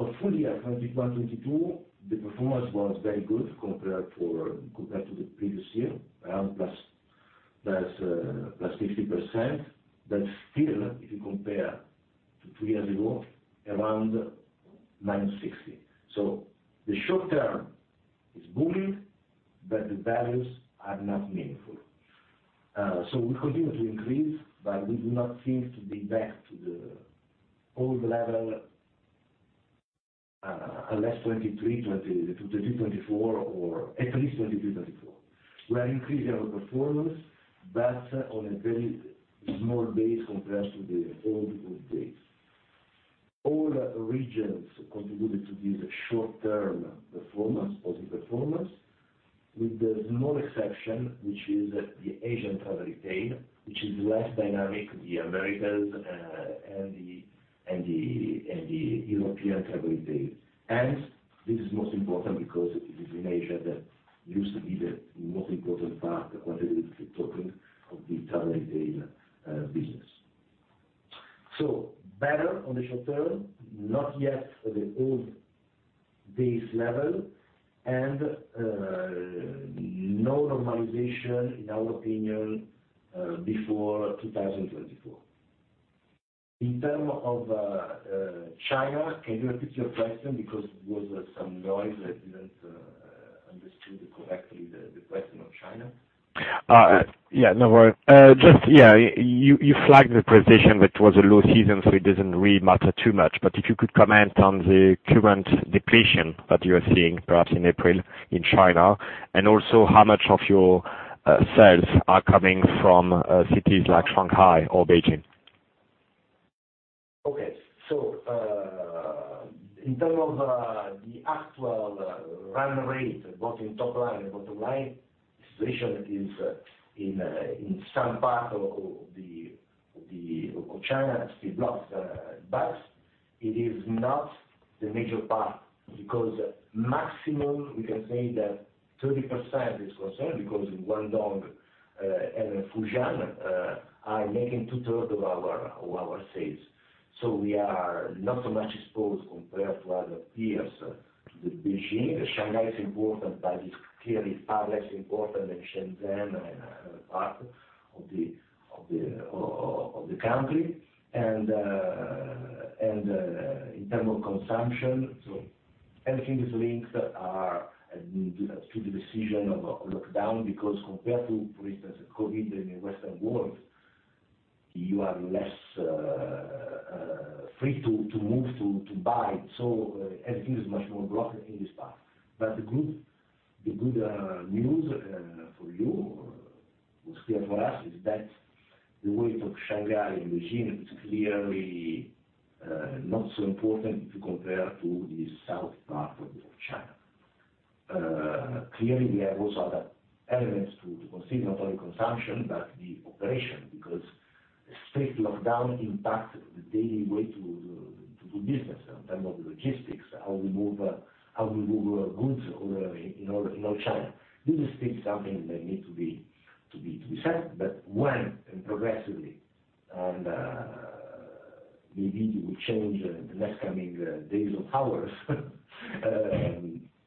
For full year 2021-2022, the performance was very good compared to the previous year, around +50%. But still, if you compare to two years ago, around -60%. The short term is booming, but the values are not meaningful. We continue to increase, but we do not seem to be back to the old level until 2023-2024 or at least 2023-2024. We are increasing our performance but on a very small base compared to the old good days. All regions contributed to this short-term performance, positive performance. With the small exception, which is the Asian travel retail, which is less dynamic, the Americas, and the European travel retail. This is most important because it is in Asia that used to be the most important part when it is talking of the travel retail business. Better on the short term, not yet at the old base level and no normalization, in our opinion, before 2024. In terms of China, can you repeat your question because there was some noise, I didn't understood correctly the question of China. Yeah, no worry. Just yeah, you flagged the presentation that was a low season, so it doesn't really matter too much. If you could comment on the current depletion that you're seeing perhaps in April in China, and also how much of your sales are coming from cities like Shanghai or Beijing. In terms of the actual run rate, both in top line and bottom line, the situation is, in some part of China, blocked. It is not the major part because maximum we can say that 30% is concerned because Guangdong and Fujian are making two-thirds of our sales. We are not so much exposed compared to other peers to Beijing. Shanghai is important but is clearly far less important than Shenzhen and other parts of the country. In terms of consumption, everything is linked to the decision of lockdown because compared to, for instance, Covid in the Western world, you are less free to move to buy. Everything is much more blocked in this part. The good news for you was clear for us is that the weight of Shanghai and Beijing is clearly not so important to compare to the south part of China. Clearly, we have also other elements to consider, not only consumption but the operation, because strict lockdown impact the daily way to do business in terms of logistics, how we move goods or in all China. This is still something that need to be said. Then progressively, maybe it will change in the next coming days or hours,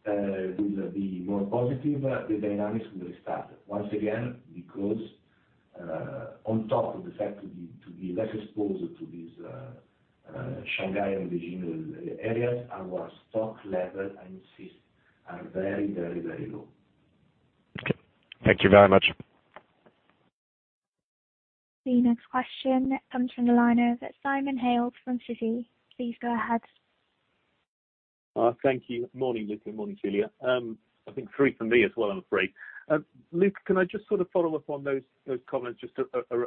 it will be more positive, the dynamics will restart. Once again, because on top of the fact to be less exposed to this, Shanghai and Beijing areas, our stock level, I insist, are very low. Okay, thank you very much. The next question comes from the line of Simon Hales from Citi. Please go ahead. Thank you. Morning, Luca. Morning, Célia. I think three for me as well, I'm afraid. Luca, can I just sort of follow up on those comments just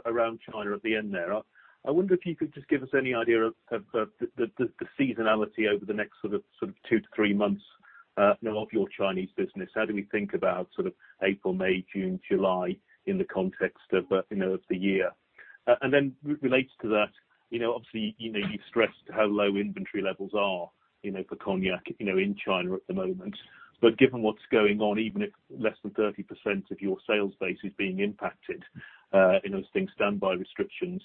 around China at the end there? I wonder if you could just give us any idea of the seasonality over the next sort of two to three months, you know, of your Chinese business. How do we think about sort of April, May, June, July in the context of, you know, of the year? And then related to that, you know, obviously, you know, you've stressed how low inventory levels are, you know, for cognac, you know, in China at the moment. Given what's going on, even if less than 30% of your sales base is being impacted, you know, stay-at-home restrictions,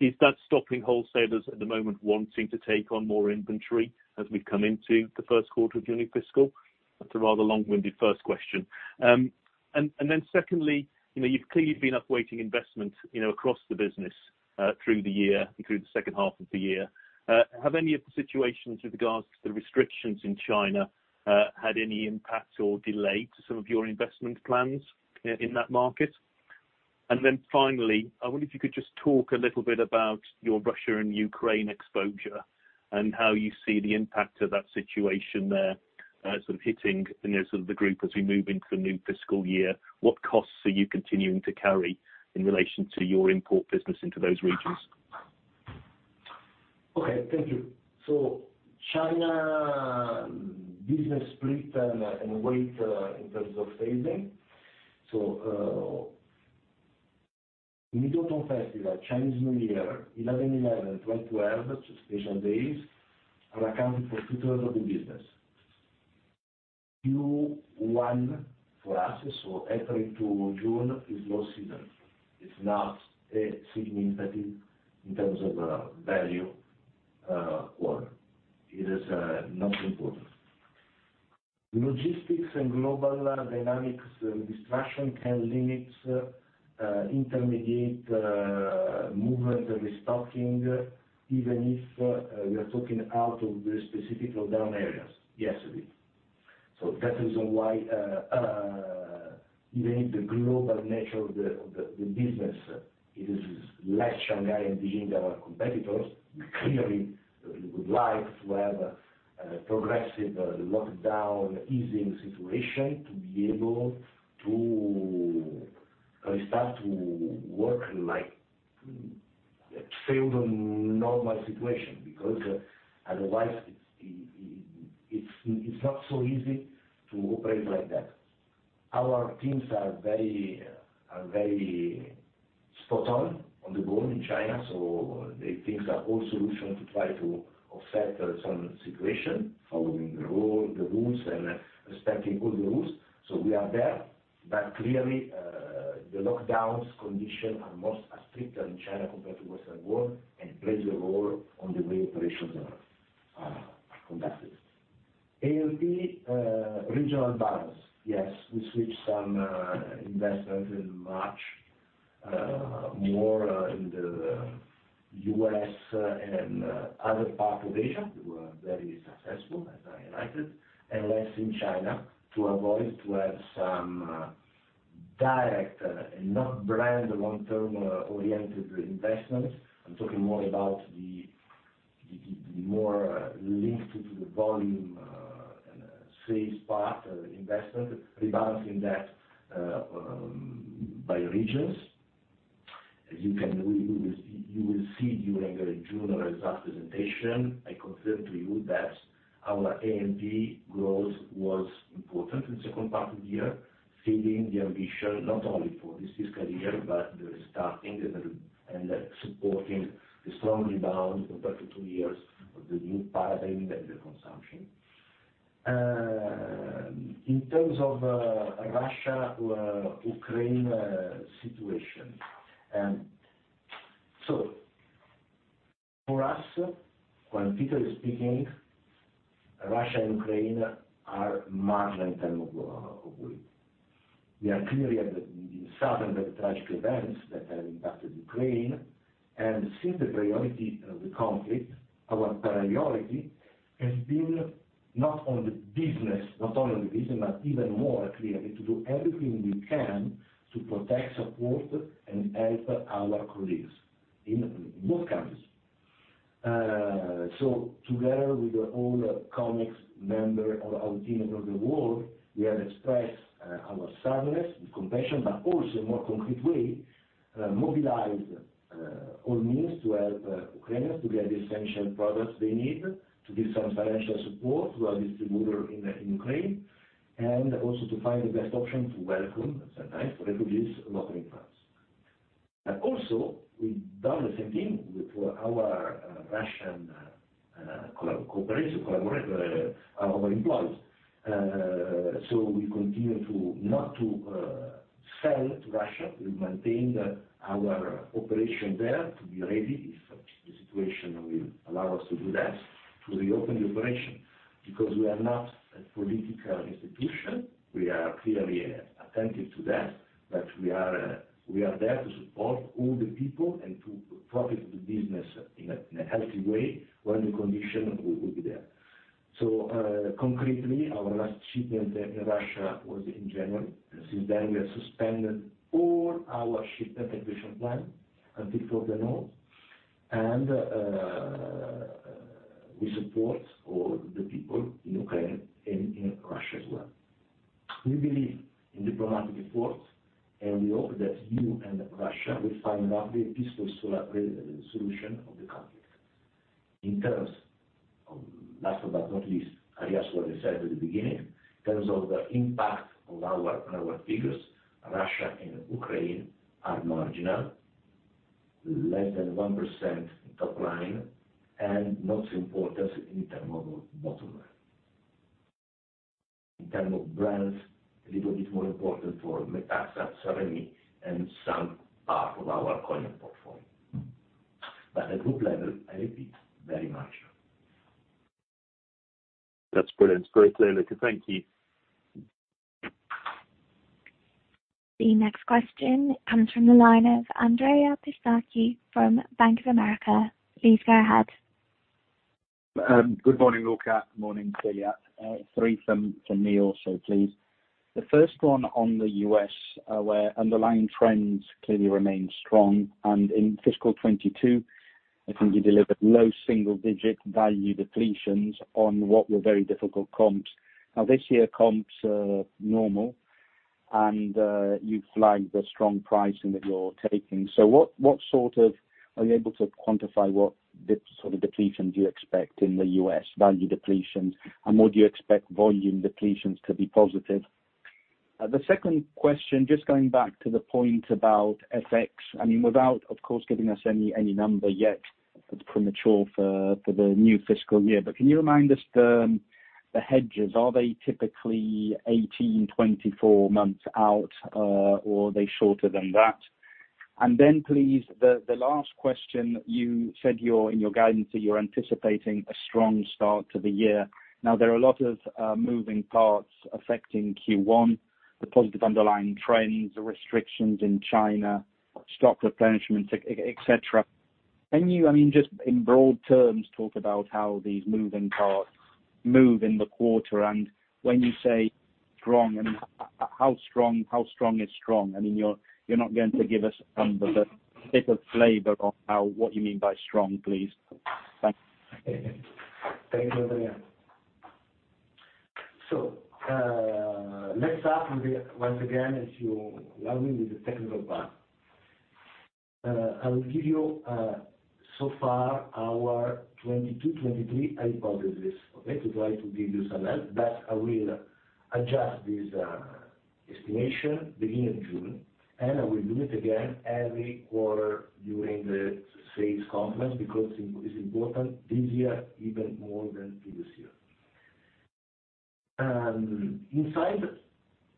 is that stopping wholesalers at the moment wanting to take on more inventory as we come into the Q1 of our fiscal? That's a rather long-winded first question. Then secondly, you know, you've clearly been upweighting investment, you know, across the business, through the year and through the second half of the year. Have any of the situations with regards to the restrictions in China, had any impact or delay to some of your investment plans, in that market? Then finally, I wonder if you could just talk a little bit about your Russia and Ukraine exposure and how you see the impact of that situation there, sort of hitting, you know, sort of the group as we move into the new fiscal year. What costs are you continuing to carry in relation to your import business into those regions? Okay, thank you. China business split and weight in terms of phasing. Mid-Autumn Festival, Chinese New Year, 11.11, 12/12, special days are accounting for two-thirds of the business. Q1 for us. April to June is low season. It's not significant in terms of value, or it is not important. Logistics and global dynamics disruption can limit intermediate movement and restocking, even if we are talking out of the specific lockdown areas. Yes. That is why, even if the global nature of the business is less China and India, our competitors clearly would like to have a progressive lockdown easing situation to be able to restart to work like a normal situation, because otherwise it's not so easy to operate like that. Our teams are very spot on the ground in China, so they think of a whole solution to try to offset some situation following the rules and respecting all the rules. We are there, but clearly, the lockdown conditions are stricter in China compared to Western world and play a role on the way operations are conducted. A&P, regional balance. Yes, we switched some investments in March, more in the U.S. and other parts of Asia. We were very successful as I highlighted, and less in China to avoid to have some direct, not brand long term oriented investments. I'm talking more about the more linked to the volume sales part investment, rebalancing that by regions. You can read. You will see during the June results presentation. I confirm to you that our AMD growth was important in the second part of the year, feeding the ambition not only for this fiscal year, but the starting and supporting the strong rebound compared to two years of the new paradigm and the consumption. In terms of Russia, Ukraine situation. For us, when Peter is speaking, Russia and Ukraine are marginal in terms of weight. We are clearly saddened by the tragic events that have impacted Ukraine, and since the priority of the conflict, our priority has been not on the business, not only on the business, but even more clearly to do everything we can to protect, support, and help our colleagues in both countries. Together with all Comex members of our team across the world, we have expressed our sadness and compassion, but also in more concrete way, mobilized all means to help Ukrainians to get the essential products they need, to give some financial support to our distributor in Ukraine, and also to find the best option to welcome sometimes refugees, not only in France. Also, we've done the same thing with our Russian cooperation, collaboration with our employees. We continue not to sell to Russia. We maintain our operation there to be ready if the situation will allow us to do that, to reopen the operation. Because we are not a political institution, we are clearly attentive to that, but we are there to support all the people and to profit the business in a healthy way when the condition will be there. Concretely, our last shipment in Russia was in January. Since then, we have suspended all our shipment execution plan until further notice. We support all the people in Ukraine and in Russia as well. We believe in diplomatic efforts, and we hope that Ukraine and Russia will find out the peaceful solution of the conflict. In terms of last but not least, as well we said at the beginning, in terms of the impact on our figures, Russia and Ukraine are marginal, less than 1% top line, and not so important in terms of bottom line. In terms of brands, a little bit more important for METAXA, Chivas Regal, and some part of our cognac portfolio. At group level, I repeat, very marginal. That's brilliant. Great, Luca. Thank you. The next question comes from the line of Andrea Pistacchi from Bank of America. Please go ahead. Good morning, Luca. Morning, Célia. Three from me also, please. The first one on the US, where underlying trends clearly remain strong. In fiscal 2022, I think you delivered low single-digit value depletions on what were very difficult comps. Now, this year comps are normal, and you flagged the strong pricing that you're taking. What sort of depletions do you expect in the US? Are you able to quantify the value depletions, and would you expect volume depletions to be positive? The second question, just going back to the point about FX. I mean, without, of course, giving us any number yet, it's premature for the new fiscal year. Can you remind us the hedges? Are they typically 18-24 months out, or are they shorter than that? Please, the last question. You said in your guidance that you're anticipating a strong start to the year. Now, there are a lot of moving parts affecting Q1, the positive underlying trends, the restrictions in China, stock replenishment, et cetera. Can you, I mean, just in broad terms, talk about how these moving parts move in the quarter, and when you say strong, I mean, how strong is strong? I mean, you're not going to give us numbers, but a bit of flavor of how what you mean by strong, please. Thanks. Thank you, Adrian. Let's start once again, if you allow me, with the technical part. I will give you, so far our 2022, 2023 hypothesis, okay? To try to give you some help, but I will adjust this estimation beginning of June, and I will do it again every quarter during the sales conference because it is important, this year, even more than previous year.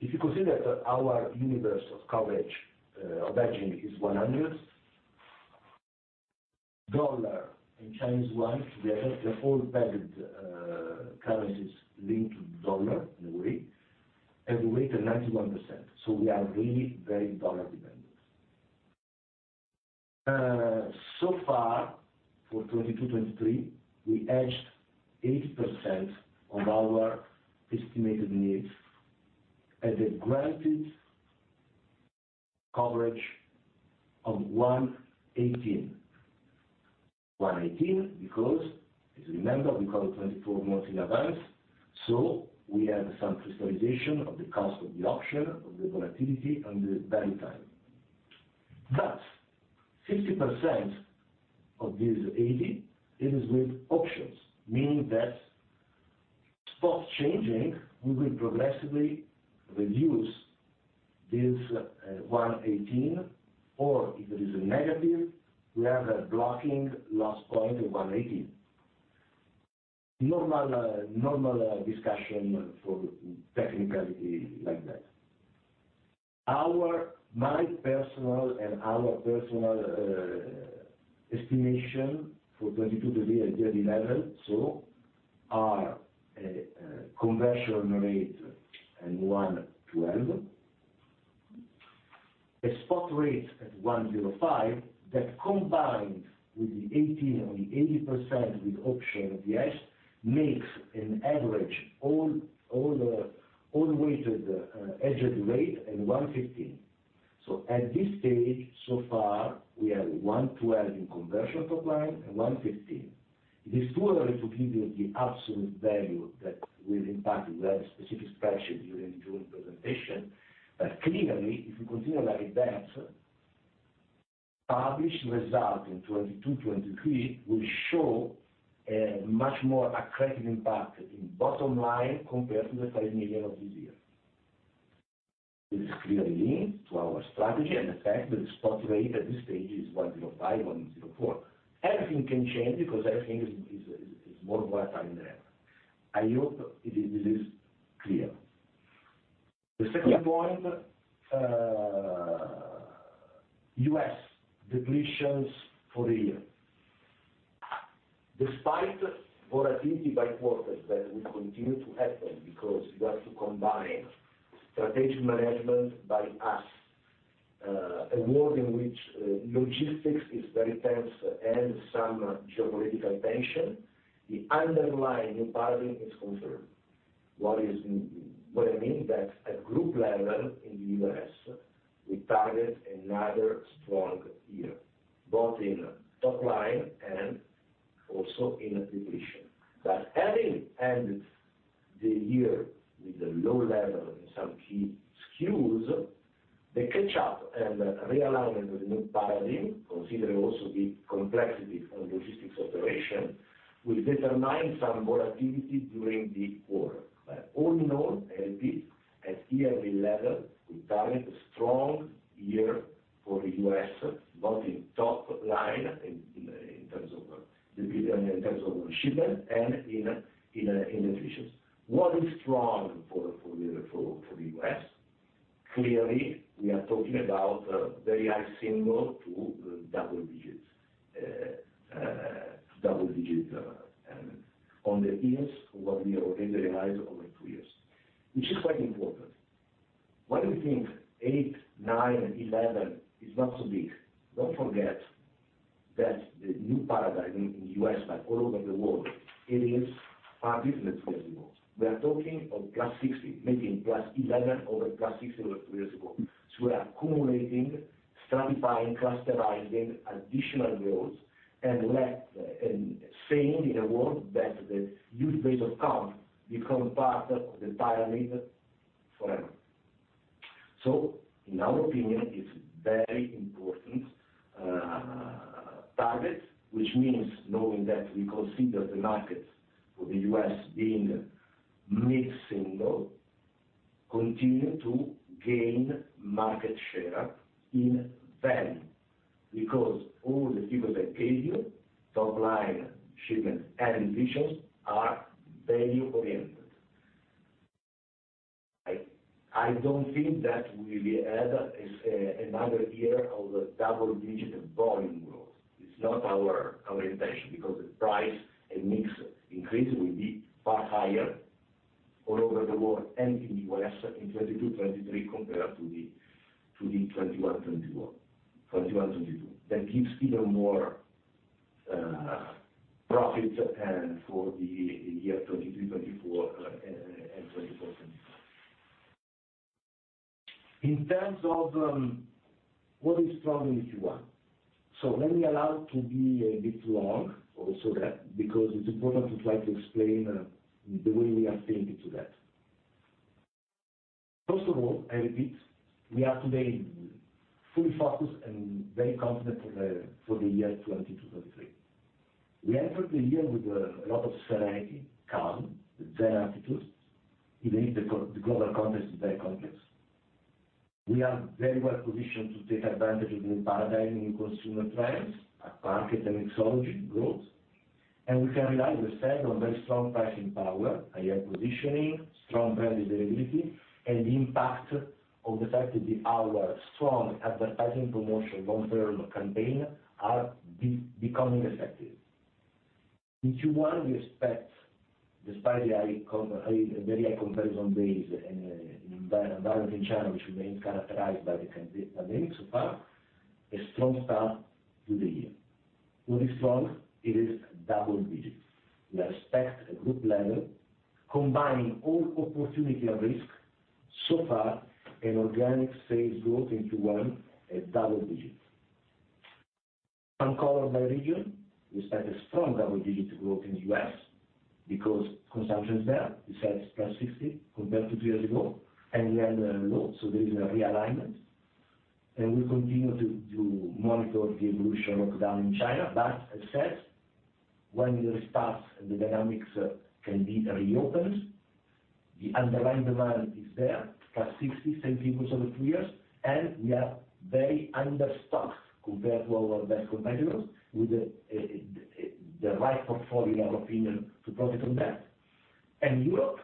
If you consider that our universe of coverage of hedging is 100 USD and CNY, the other, the whole basket of currencies linked to dollar in a way, have a weight of 91%. We are really very dollar dependent. So far, for 2022, 2023, we hedged 80% of our estimated needs at a granted coverage of 1.18. 1.18 because, as you remember, we cover 24 months in advance, so we have some crystallization of the cost of the option, of the volatility and the time value. Thus, 60% of this 80 is with options, meaning that spot changing, we will progressively reduce this 1.18, or if it is negative, we have a blocking loss point of 1.18. Normal discussion for technicality like that. My personal and our personal estimation for 2022, 2023 at yearly level, so a conversion rate at 1.12. A spot rate at 1.05, that combined with the 1.18 of the 80% with option of the hedge, makes an average all weighted hedged rate at 1.15. At this stage, so far, we have 1.12 in conversion top line and 1.15. It is too early to give you the absolute value that will impact. We have a specific spreadsheet during June presentation. Clearly, if we continue like that, published result in 2022, 2023 will show a much more accelerated impact in bottom line compared to the 5 million of this year. This is clearly linked to our strategy and the fact that the spot rate at this stage is 105, 104. Everything can change because everything is more volatile than ever. I hope it is at least clear. The second point, US depletions for the year. Despite volatility by quarters that will continue to happen because you have to combine strategic management by us, a world in which logistics is very tense and some geopolitical tension, the underlying new paradigm is confirmed. What is... What I mean is that at group level in the US, we target another strong year, both in top line and also in depletion. Having ended the year with a low level in some key SKUs, the catch up and realignment with new paradigm, considering also the complexity of logistics operation, will determine some volatility during the quarter. All in all, i.e., at yearly level, we target a strong year for the US, both in top line, in terms of shipment and in depletions. What is strong for the US? Clearly, we are talking about very high single to double digits, double digit in the years what we already realized over two years, which is quite important. Why do you think 8%, 9%, and 11% is not so big? Don't forget that the new paradigm in US like all over the world, it is our business visibility. We are talking of +60%, maybe +11% over +60% over two years ago. We are accumulating, stratifying, clusterizing additional growth and saying in a world that the user base of account become part of the pyramid forever. In our opinion, it's very important target, which means knowing that we consider the market for the US being mid-single%, continue to gain market share in value. Because all the figures I gave you, top line, shipment, and divisions are value oriented, right? I don't think that we will add another year of double-digit% volume growth. It's not our orientation, because the price and mix increase will be far higher. All over the world and in US in 2022, 2023 compared to the 2021, 2022. That keeps even more profits and for the year 2023, 2024, and 2024, 2025. In terms of what is strong in Q1? Let me allow to be a bit long also that, because it's important to try to explain the way we are thinking to that. First of all, I repeat, we are today fully focused and very confident for the year 2022, 2023. We entered the year with a lot of serenity, calm, zen attitude, even if the global context is very complex. We are very well positioned to take advantage of new paradigm in consumer trends, our market and mixology growth. We can rely, we said, on very strong pricing power, higher positioning, strong brand visibility, and the impact of the fact that our strong advertising promotion long term campaign are becoming effective. In Q1, we expect despite the very high comparison base in China, which remains characterized by the pandemic so far, a strong start to the year. What is strong? It is double digits. We expect a group level combining all opportunity and risk so far in organic sales growth in Q1 at double digits. By region, we expect a strong double-digit growth in the U.S. because consumption is there. We said +60 compared to two years ago, and we are low, so there is a realignment. We continue to monitor the evolution of lockdown in China. As said, when it restarts, the dynamics can be reopened. The underlying demand is there, +60%, same figures over three years, and we are very under stocked compared to our best competitors with the right portfolio, in our opinion, to profit from that. Europe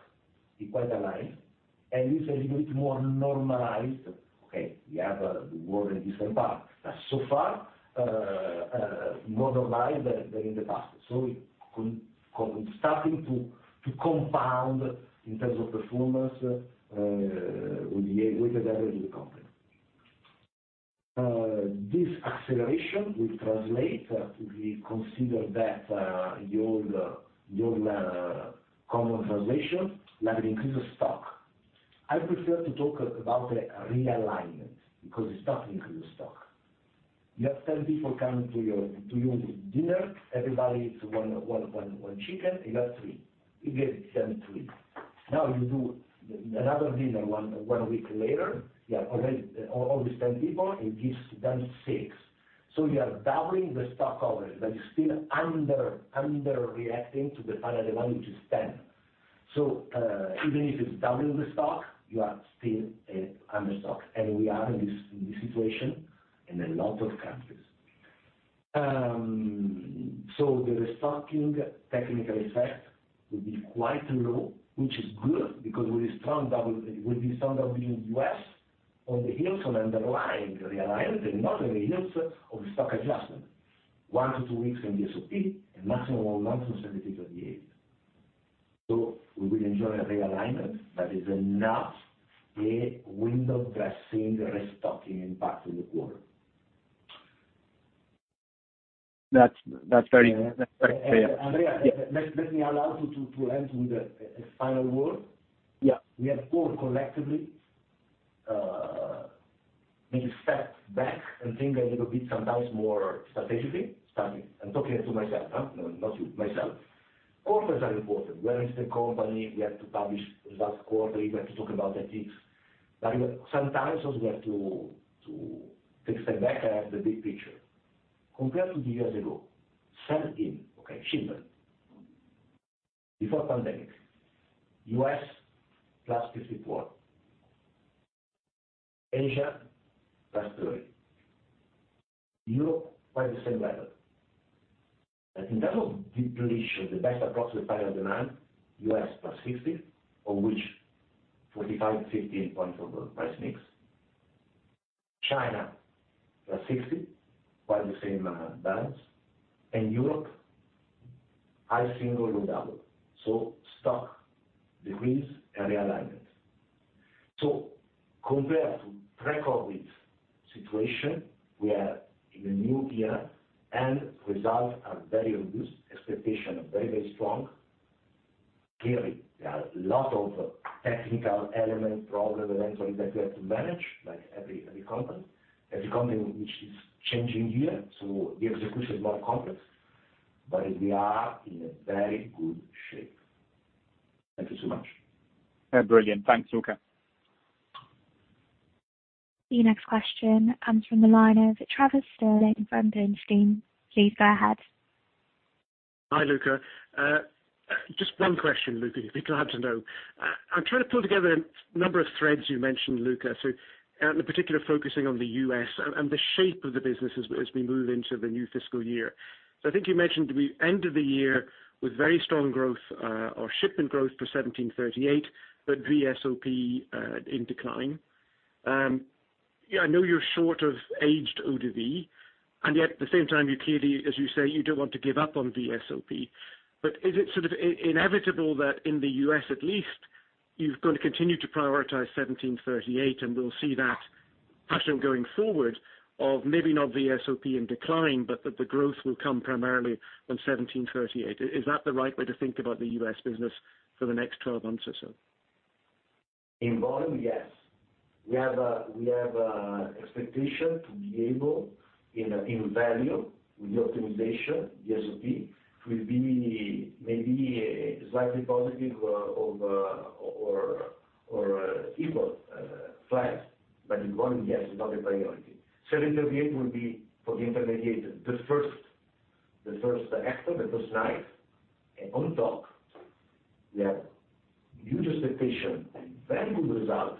is quite aligned, and it's a little bit more normalized. We have the war in different parts, but so far more normalized than in the past. Starting to compound in terms of performance with the rest of the company. This acceleration will translate if we consider that your currency translation, like increase of stock. I prefer to talk about a realignment because it's not increase of stock. You have 10 people coming to your dinner. Everybody eats one chicken. You have 3. You get 7, 3. Now you do another dinner, 1 week later. You have already all these 10 people, it gives them 6. So you are doubling the stock always, but it's still under reacting to the final demand, which is 10. So even if it's doubling the stock, you are still under stocked. We are in this situation in a lot of countries. The restocking technical effect will be quite low, which is good because with a strong double, it will be strong double in U.S. on the heels of underlying realignment and not on the heels of stock adjustment. 1 to 2 weeks in the SOP, a maximum of 1 to 7 days of the year. We will enjoy a realignment that is not a window dressing restocking impact in the quarter. That's very clear. Andrea, let me allow to end with a final word. Yeah. We have all collectively maybe stepped back and think a little bit, sometimes more strategically. I'm talking to myself, huh? No, not you, myself. Quarters are important. Where is the company? We have to publish results quarterly. We have to talk about metrics. Sometimes also we have to take a step back and have the big picture. Compared to two years ago, 17, okay, pre-pandemic, US +54%. Asia +30%. Europe quite the same level. In terms of depletion, the best across the entire demand, US +60%, of which 45, 15 points over price mix. China +60%, quite the same balance. Europe high single, low double. Stock decrease and realignment. Compared to pre-COVID situation, we are in a new era and results are very robust. Expectations are very, very strong. Clearly, there are a lot of technical elements problems eventually that we have to manage like every company which is changing year, so the execution is more complex. We are in a very good shape. Thank you so much. Brilliant. Thanks, Luca. The next question comes from the line of Travis Stirling from Bernstein. Please go ahead. Hi, Luca. Just one question, Luca. You'll be glad to know. I'm trying to pull together a number of threads you mentioned, Luca. In particular, focusing on the U.S. and the shape of the business as we move into the new fiscal year. I think you mentioned we ended the year with very strong growth or shipment growth for 1738, but VSOP in decline. I know you're short of aged eau de vie, and yet at the same time, you clearly, as you say, you don't want to give up on VSOP. Is it sort of inevitable that in the U.S. at least, you've got to continue to prioritize 1738, and we'll see that pattern going forward of maybe not VSOP in decline, but that the growth will come primarily from 1738? Is that the right way to think about the U.S. business for the next 12 months or so? In volume, yes. We have an expectation to be able, in value with the optimization, VSOP will be maybe slightly positive or equal, flat. In volume, yes, it's not a priority. 1738 will be for the intermediate, the Q1, the H1. On top, we have huge expectation and very good result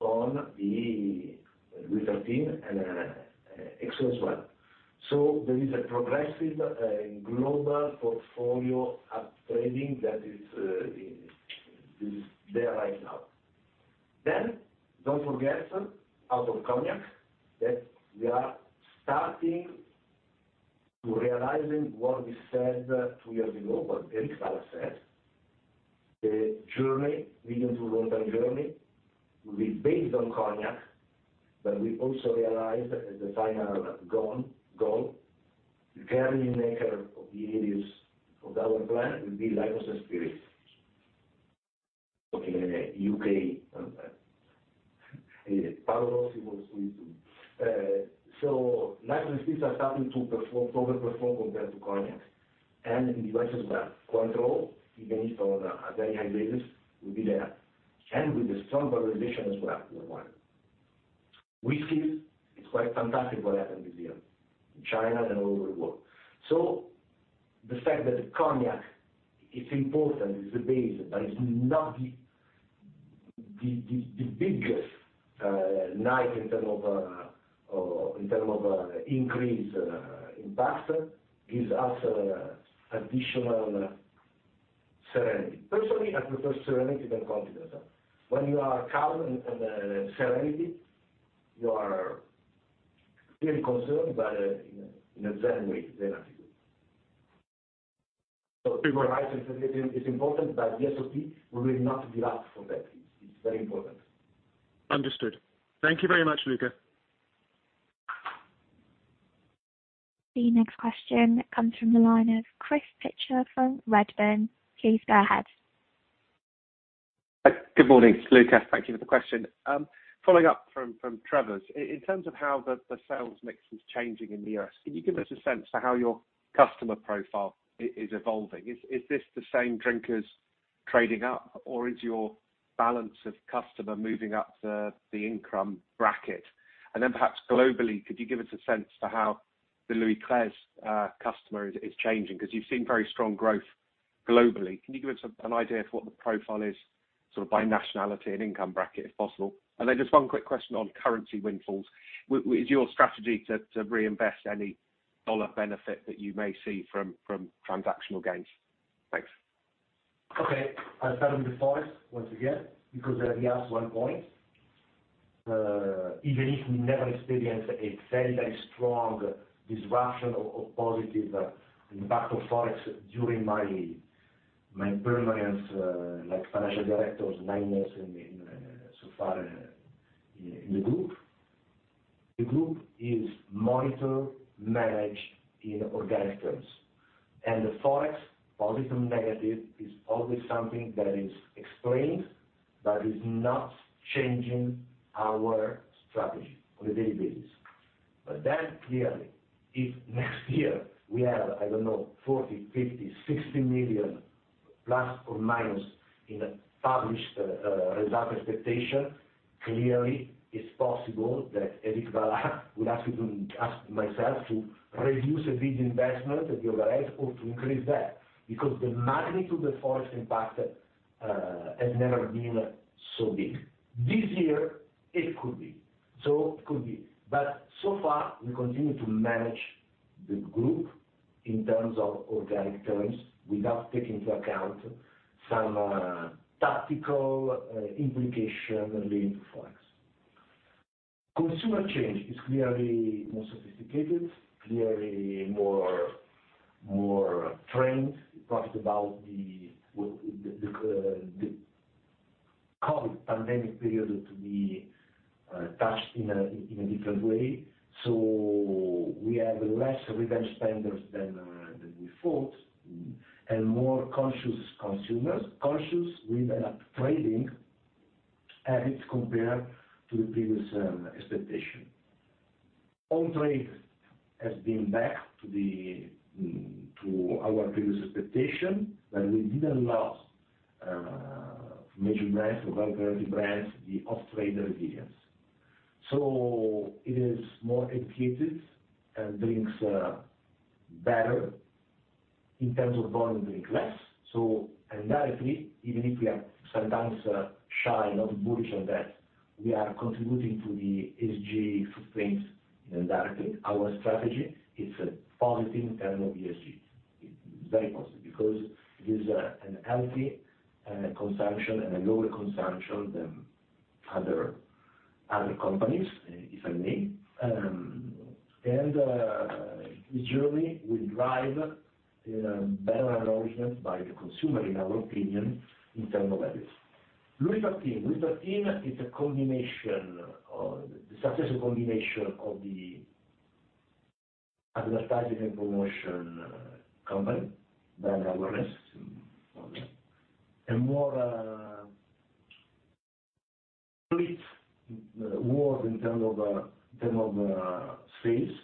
on the LOUIS XIII and then XO as well. There is a progressive global portfolio up-trading that is there right now. Don't forget, out of cognac that we are starting to realize what we said two years ago, what Éric Vallat said. The journey, medium to long term journey, will be based on cognac, but we also realize as the final goal, the volume driver over the years of our plan will be liqueurs and spirits. Okay, in the UK, parallel, so liqueurs and spirits are starting to overperform compared to cognacs and in the US as well. Cointreau, even if on a very high basis, will be there. With a strong valorization as well, worldwide. Whiskies, it's quite fantastic what happened this year in China and all over the world. The fact that the cognac is important, is the base, but it's not the biggest driver in terms of increase impact gives us additional serenity. Personally, I prefer serenity than confidence. When you are calm and serenity, you are really concerned, but you know, in a zen way, zen attitude. To realize it's important, but VSOP will not be asked for that. It's very important. Understood. Thank you very much, Luca. The next question comes from the line of Chris Pitcher from Redburn. Please go ahead. Good morning, Luca. Thank you for the question. Following up from Trevor's, in terms of how the sales mix is changing in the US, can you give us a sense for how your customer profile is evolving? Is this the same drinkers trading up, or is your balance of customer moving up the income bracket? Perhaps globally, could you give us a sense for how the LOUIS XIII customer is changing? Because you've seen very strong growth globally. Can you give us an idea of what the profile is, sort of by nationality and income bracket, if possible? Just one quick question on currency windfalls. Is your strategy to reinvest any dollar benefit that you may see from transactional gains? Thanks. Okay, I'll start with the Forex once again, because there we have 1 point. Even if we never experienced a very, very strong disruption of positive impact of Forex during my permanence as Financial Director 9 years so far in the Group. The Group is monitored, managed in organic terms, and the Forex positive, negative is always something that is explained but is not changing our strategy on a daily basis. Clearly, if next year we have, I don't know, 40 million, 50 million, 60 million plus or minus in a published result expectation, clearly it's possible that Éric Vallat would ask myself to reduce a bit investment, the overhead, or to increase that, because the magnitude of Forex impact has never been so big. This year, it could be. It could be. We continue to manage the Group in terms of organic terms without taking into account some tactical implication linked to Forex. Consumer change is clearly more sophisticated, clearly more trained. We talked about the COVID pandemic period to be touched in a different way. We have less revenge spenders than we thought, and more conscious consumers, conscious with a trading-down habit compared to the previous expectation. On-trade has been back to our previous expectation, but we didn't lose major brands or volume priority brands, the off-trade resilience. It is more educated and drinks better in terms of volume, drinks less. Indirectly, even if we are sometimes shy, not bullish on that, we are contributing to the ESG footprint indirectly. Our strategy is a positive in terms of ESG. It's very positive because it is a healthy consumption and a lower consumption than other companies, if I may. The journey will drive a better acknowledgment by the consumer, in our opinion, in terms of values. LOUIS XIII is a successful combination of the advertising and promotion, company brand awareness. More widespread in terms of sales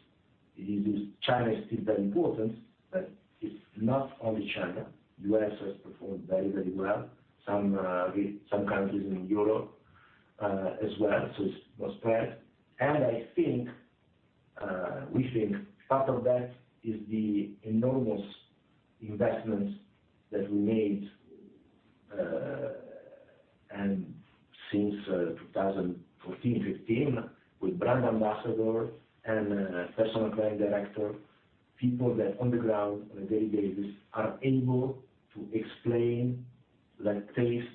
is China is still very important, but it's not only China. US has performed very, very well. Some countries in Europe as well. It's widespread. I think we think part of that is the enormous investments that we made and since 2014, 15, with brand ambassador and personal client director, people that on the ground on a day-to-day basis are able to explain, like, taste,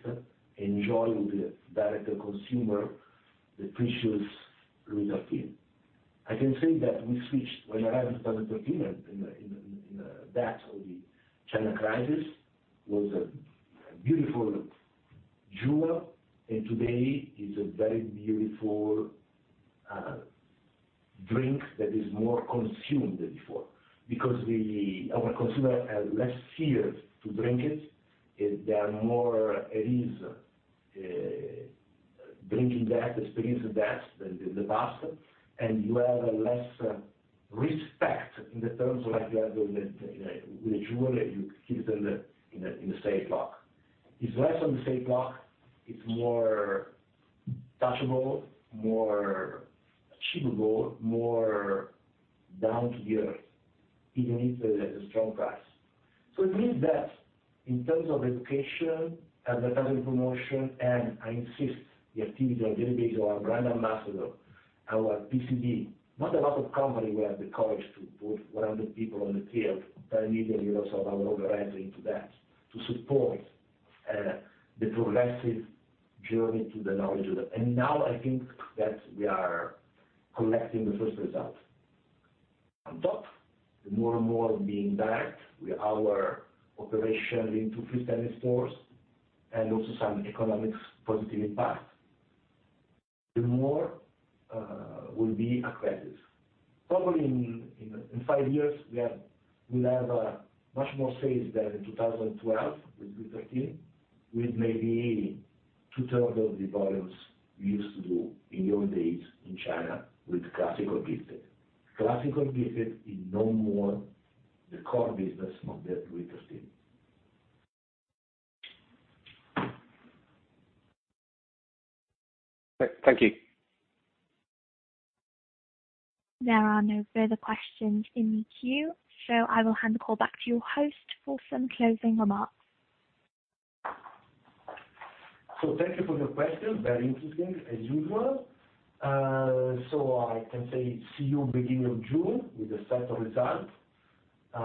enjoy with the director consumer the precious LOUIS XIII. I can say that we switched when I arrived in 2013 in the depths of the China crisis, was a beautiful jewel. Today is a very beautiful drink that is more consumed than before because our consumer has less fear to drink it, they are more at ease drinking that, experiencing that than in the past. You have less respect in the terms of like you have a jewel you keep it in a safe lock. It's less on the safe lock. It's more touchable, more achievable, more down to earth, even if it's a strong price. It means that in terms of education, advertising, promotion, and I insist the activities on a day-to-day to our brand ambassador, our PCD. Not a lot of company who have the courage to put 100 people on the field, but immediately also our organizing to that, to support the progressive journey to the knowledge of that. Now I think that we are collecting the first result. On top, more and more being direct with our operation into freestanding stores and also some economics positive impact. The more will be accredited. Probably in five years we'll have much more sales than in 2012 with Louis XIII, with maybe two-thirds of the volumes we used to do in old days in China with classic gifting. Classic gifting is no more the core business of the Louis XIII. Thank you. There are no further questions in the queue, so I will hand the call back to your host for some closing remarks. Thank you for your questions. Very interesting as usual. I can say see you beginning of June with a set of results. As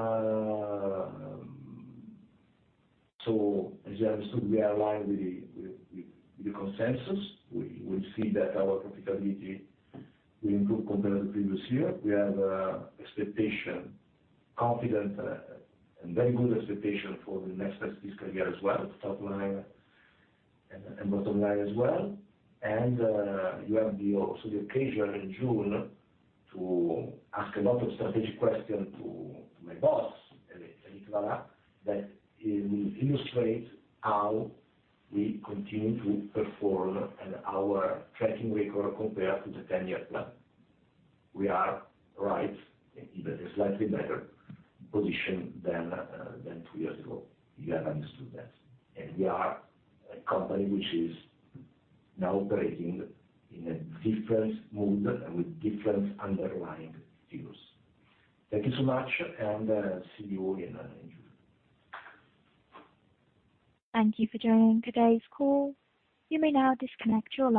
you understood, we are aligned with the consensus. We see that our profitability will improve compared to previous year. We have expectation, confident, and very good expectation for the next fiscal year as well, top line and bottom line as well. You also have the occasion in June to ask a lot of strategic question to my boss, Frederic Bohler, that he will illustrate how we continue to perform and our track record compared to the ten-year plan. We are right in a slightly better position than two years ago. You have understood that. We are a company which is now operating in a different mood and with different underlying views. Thank you so much, and see you in June. Thank you for joining today's call. You may now disconnect your line.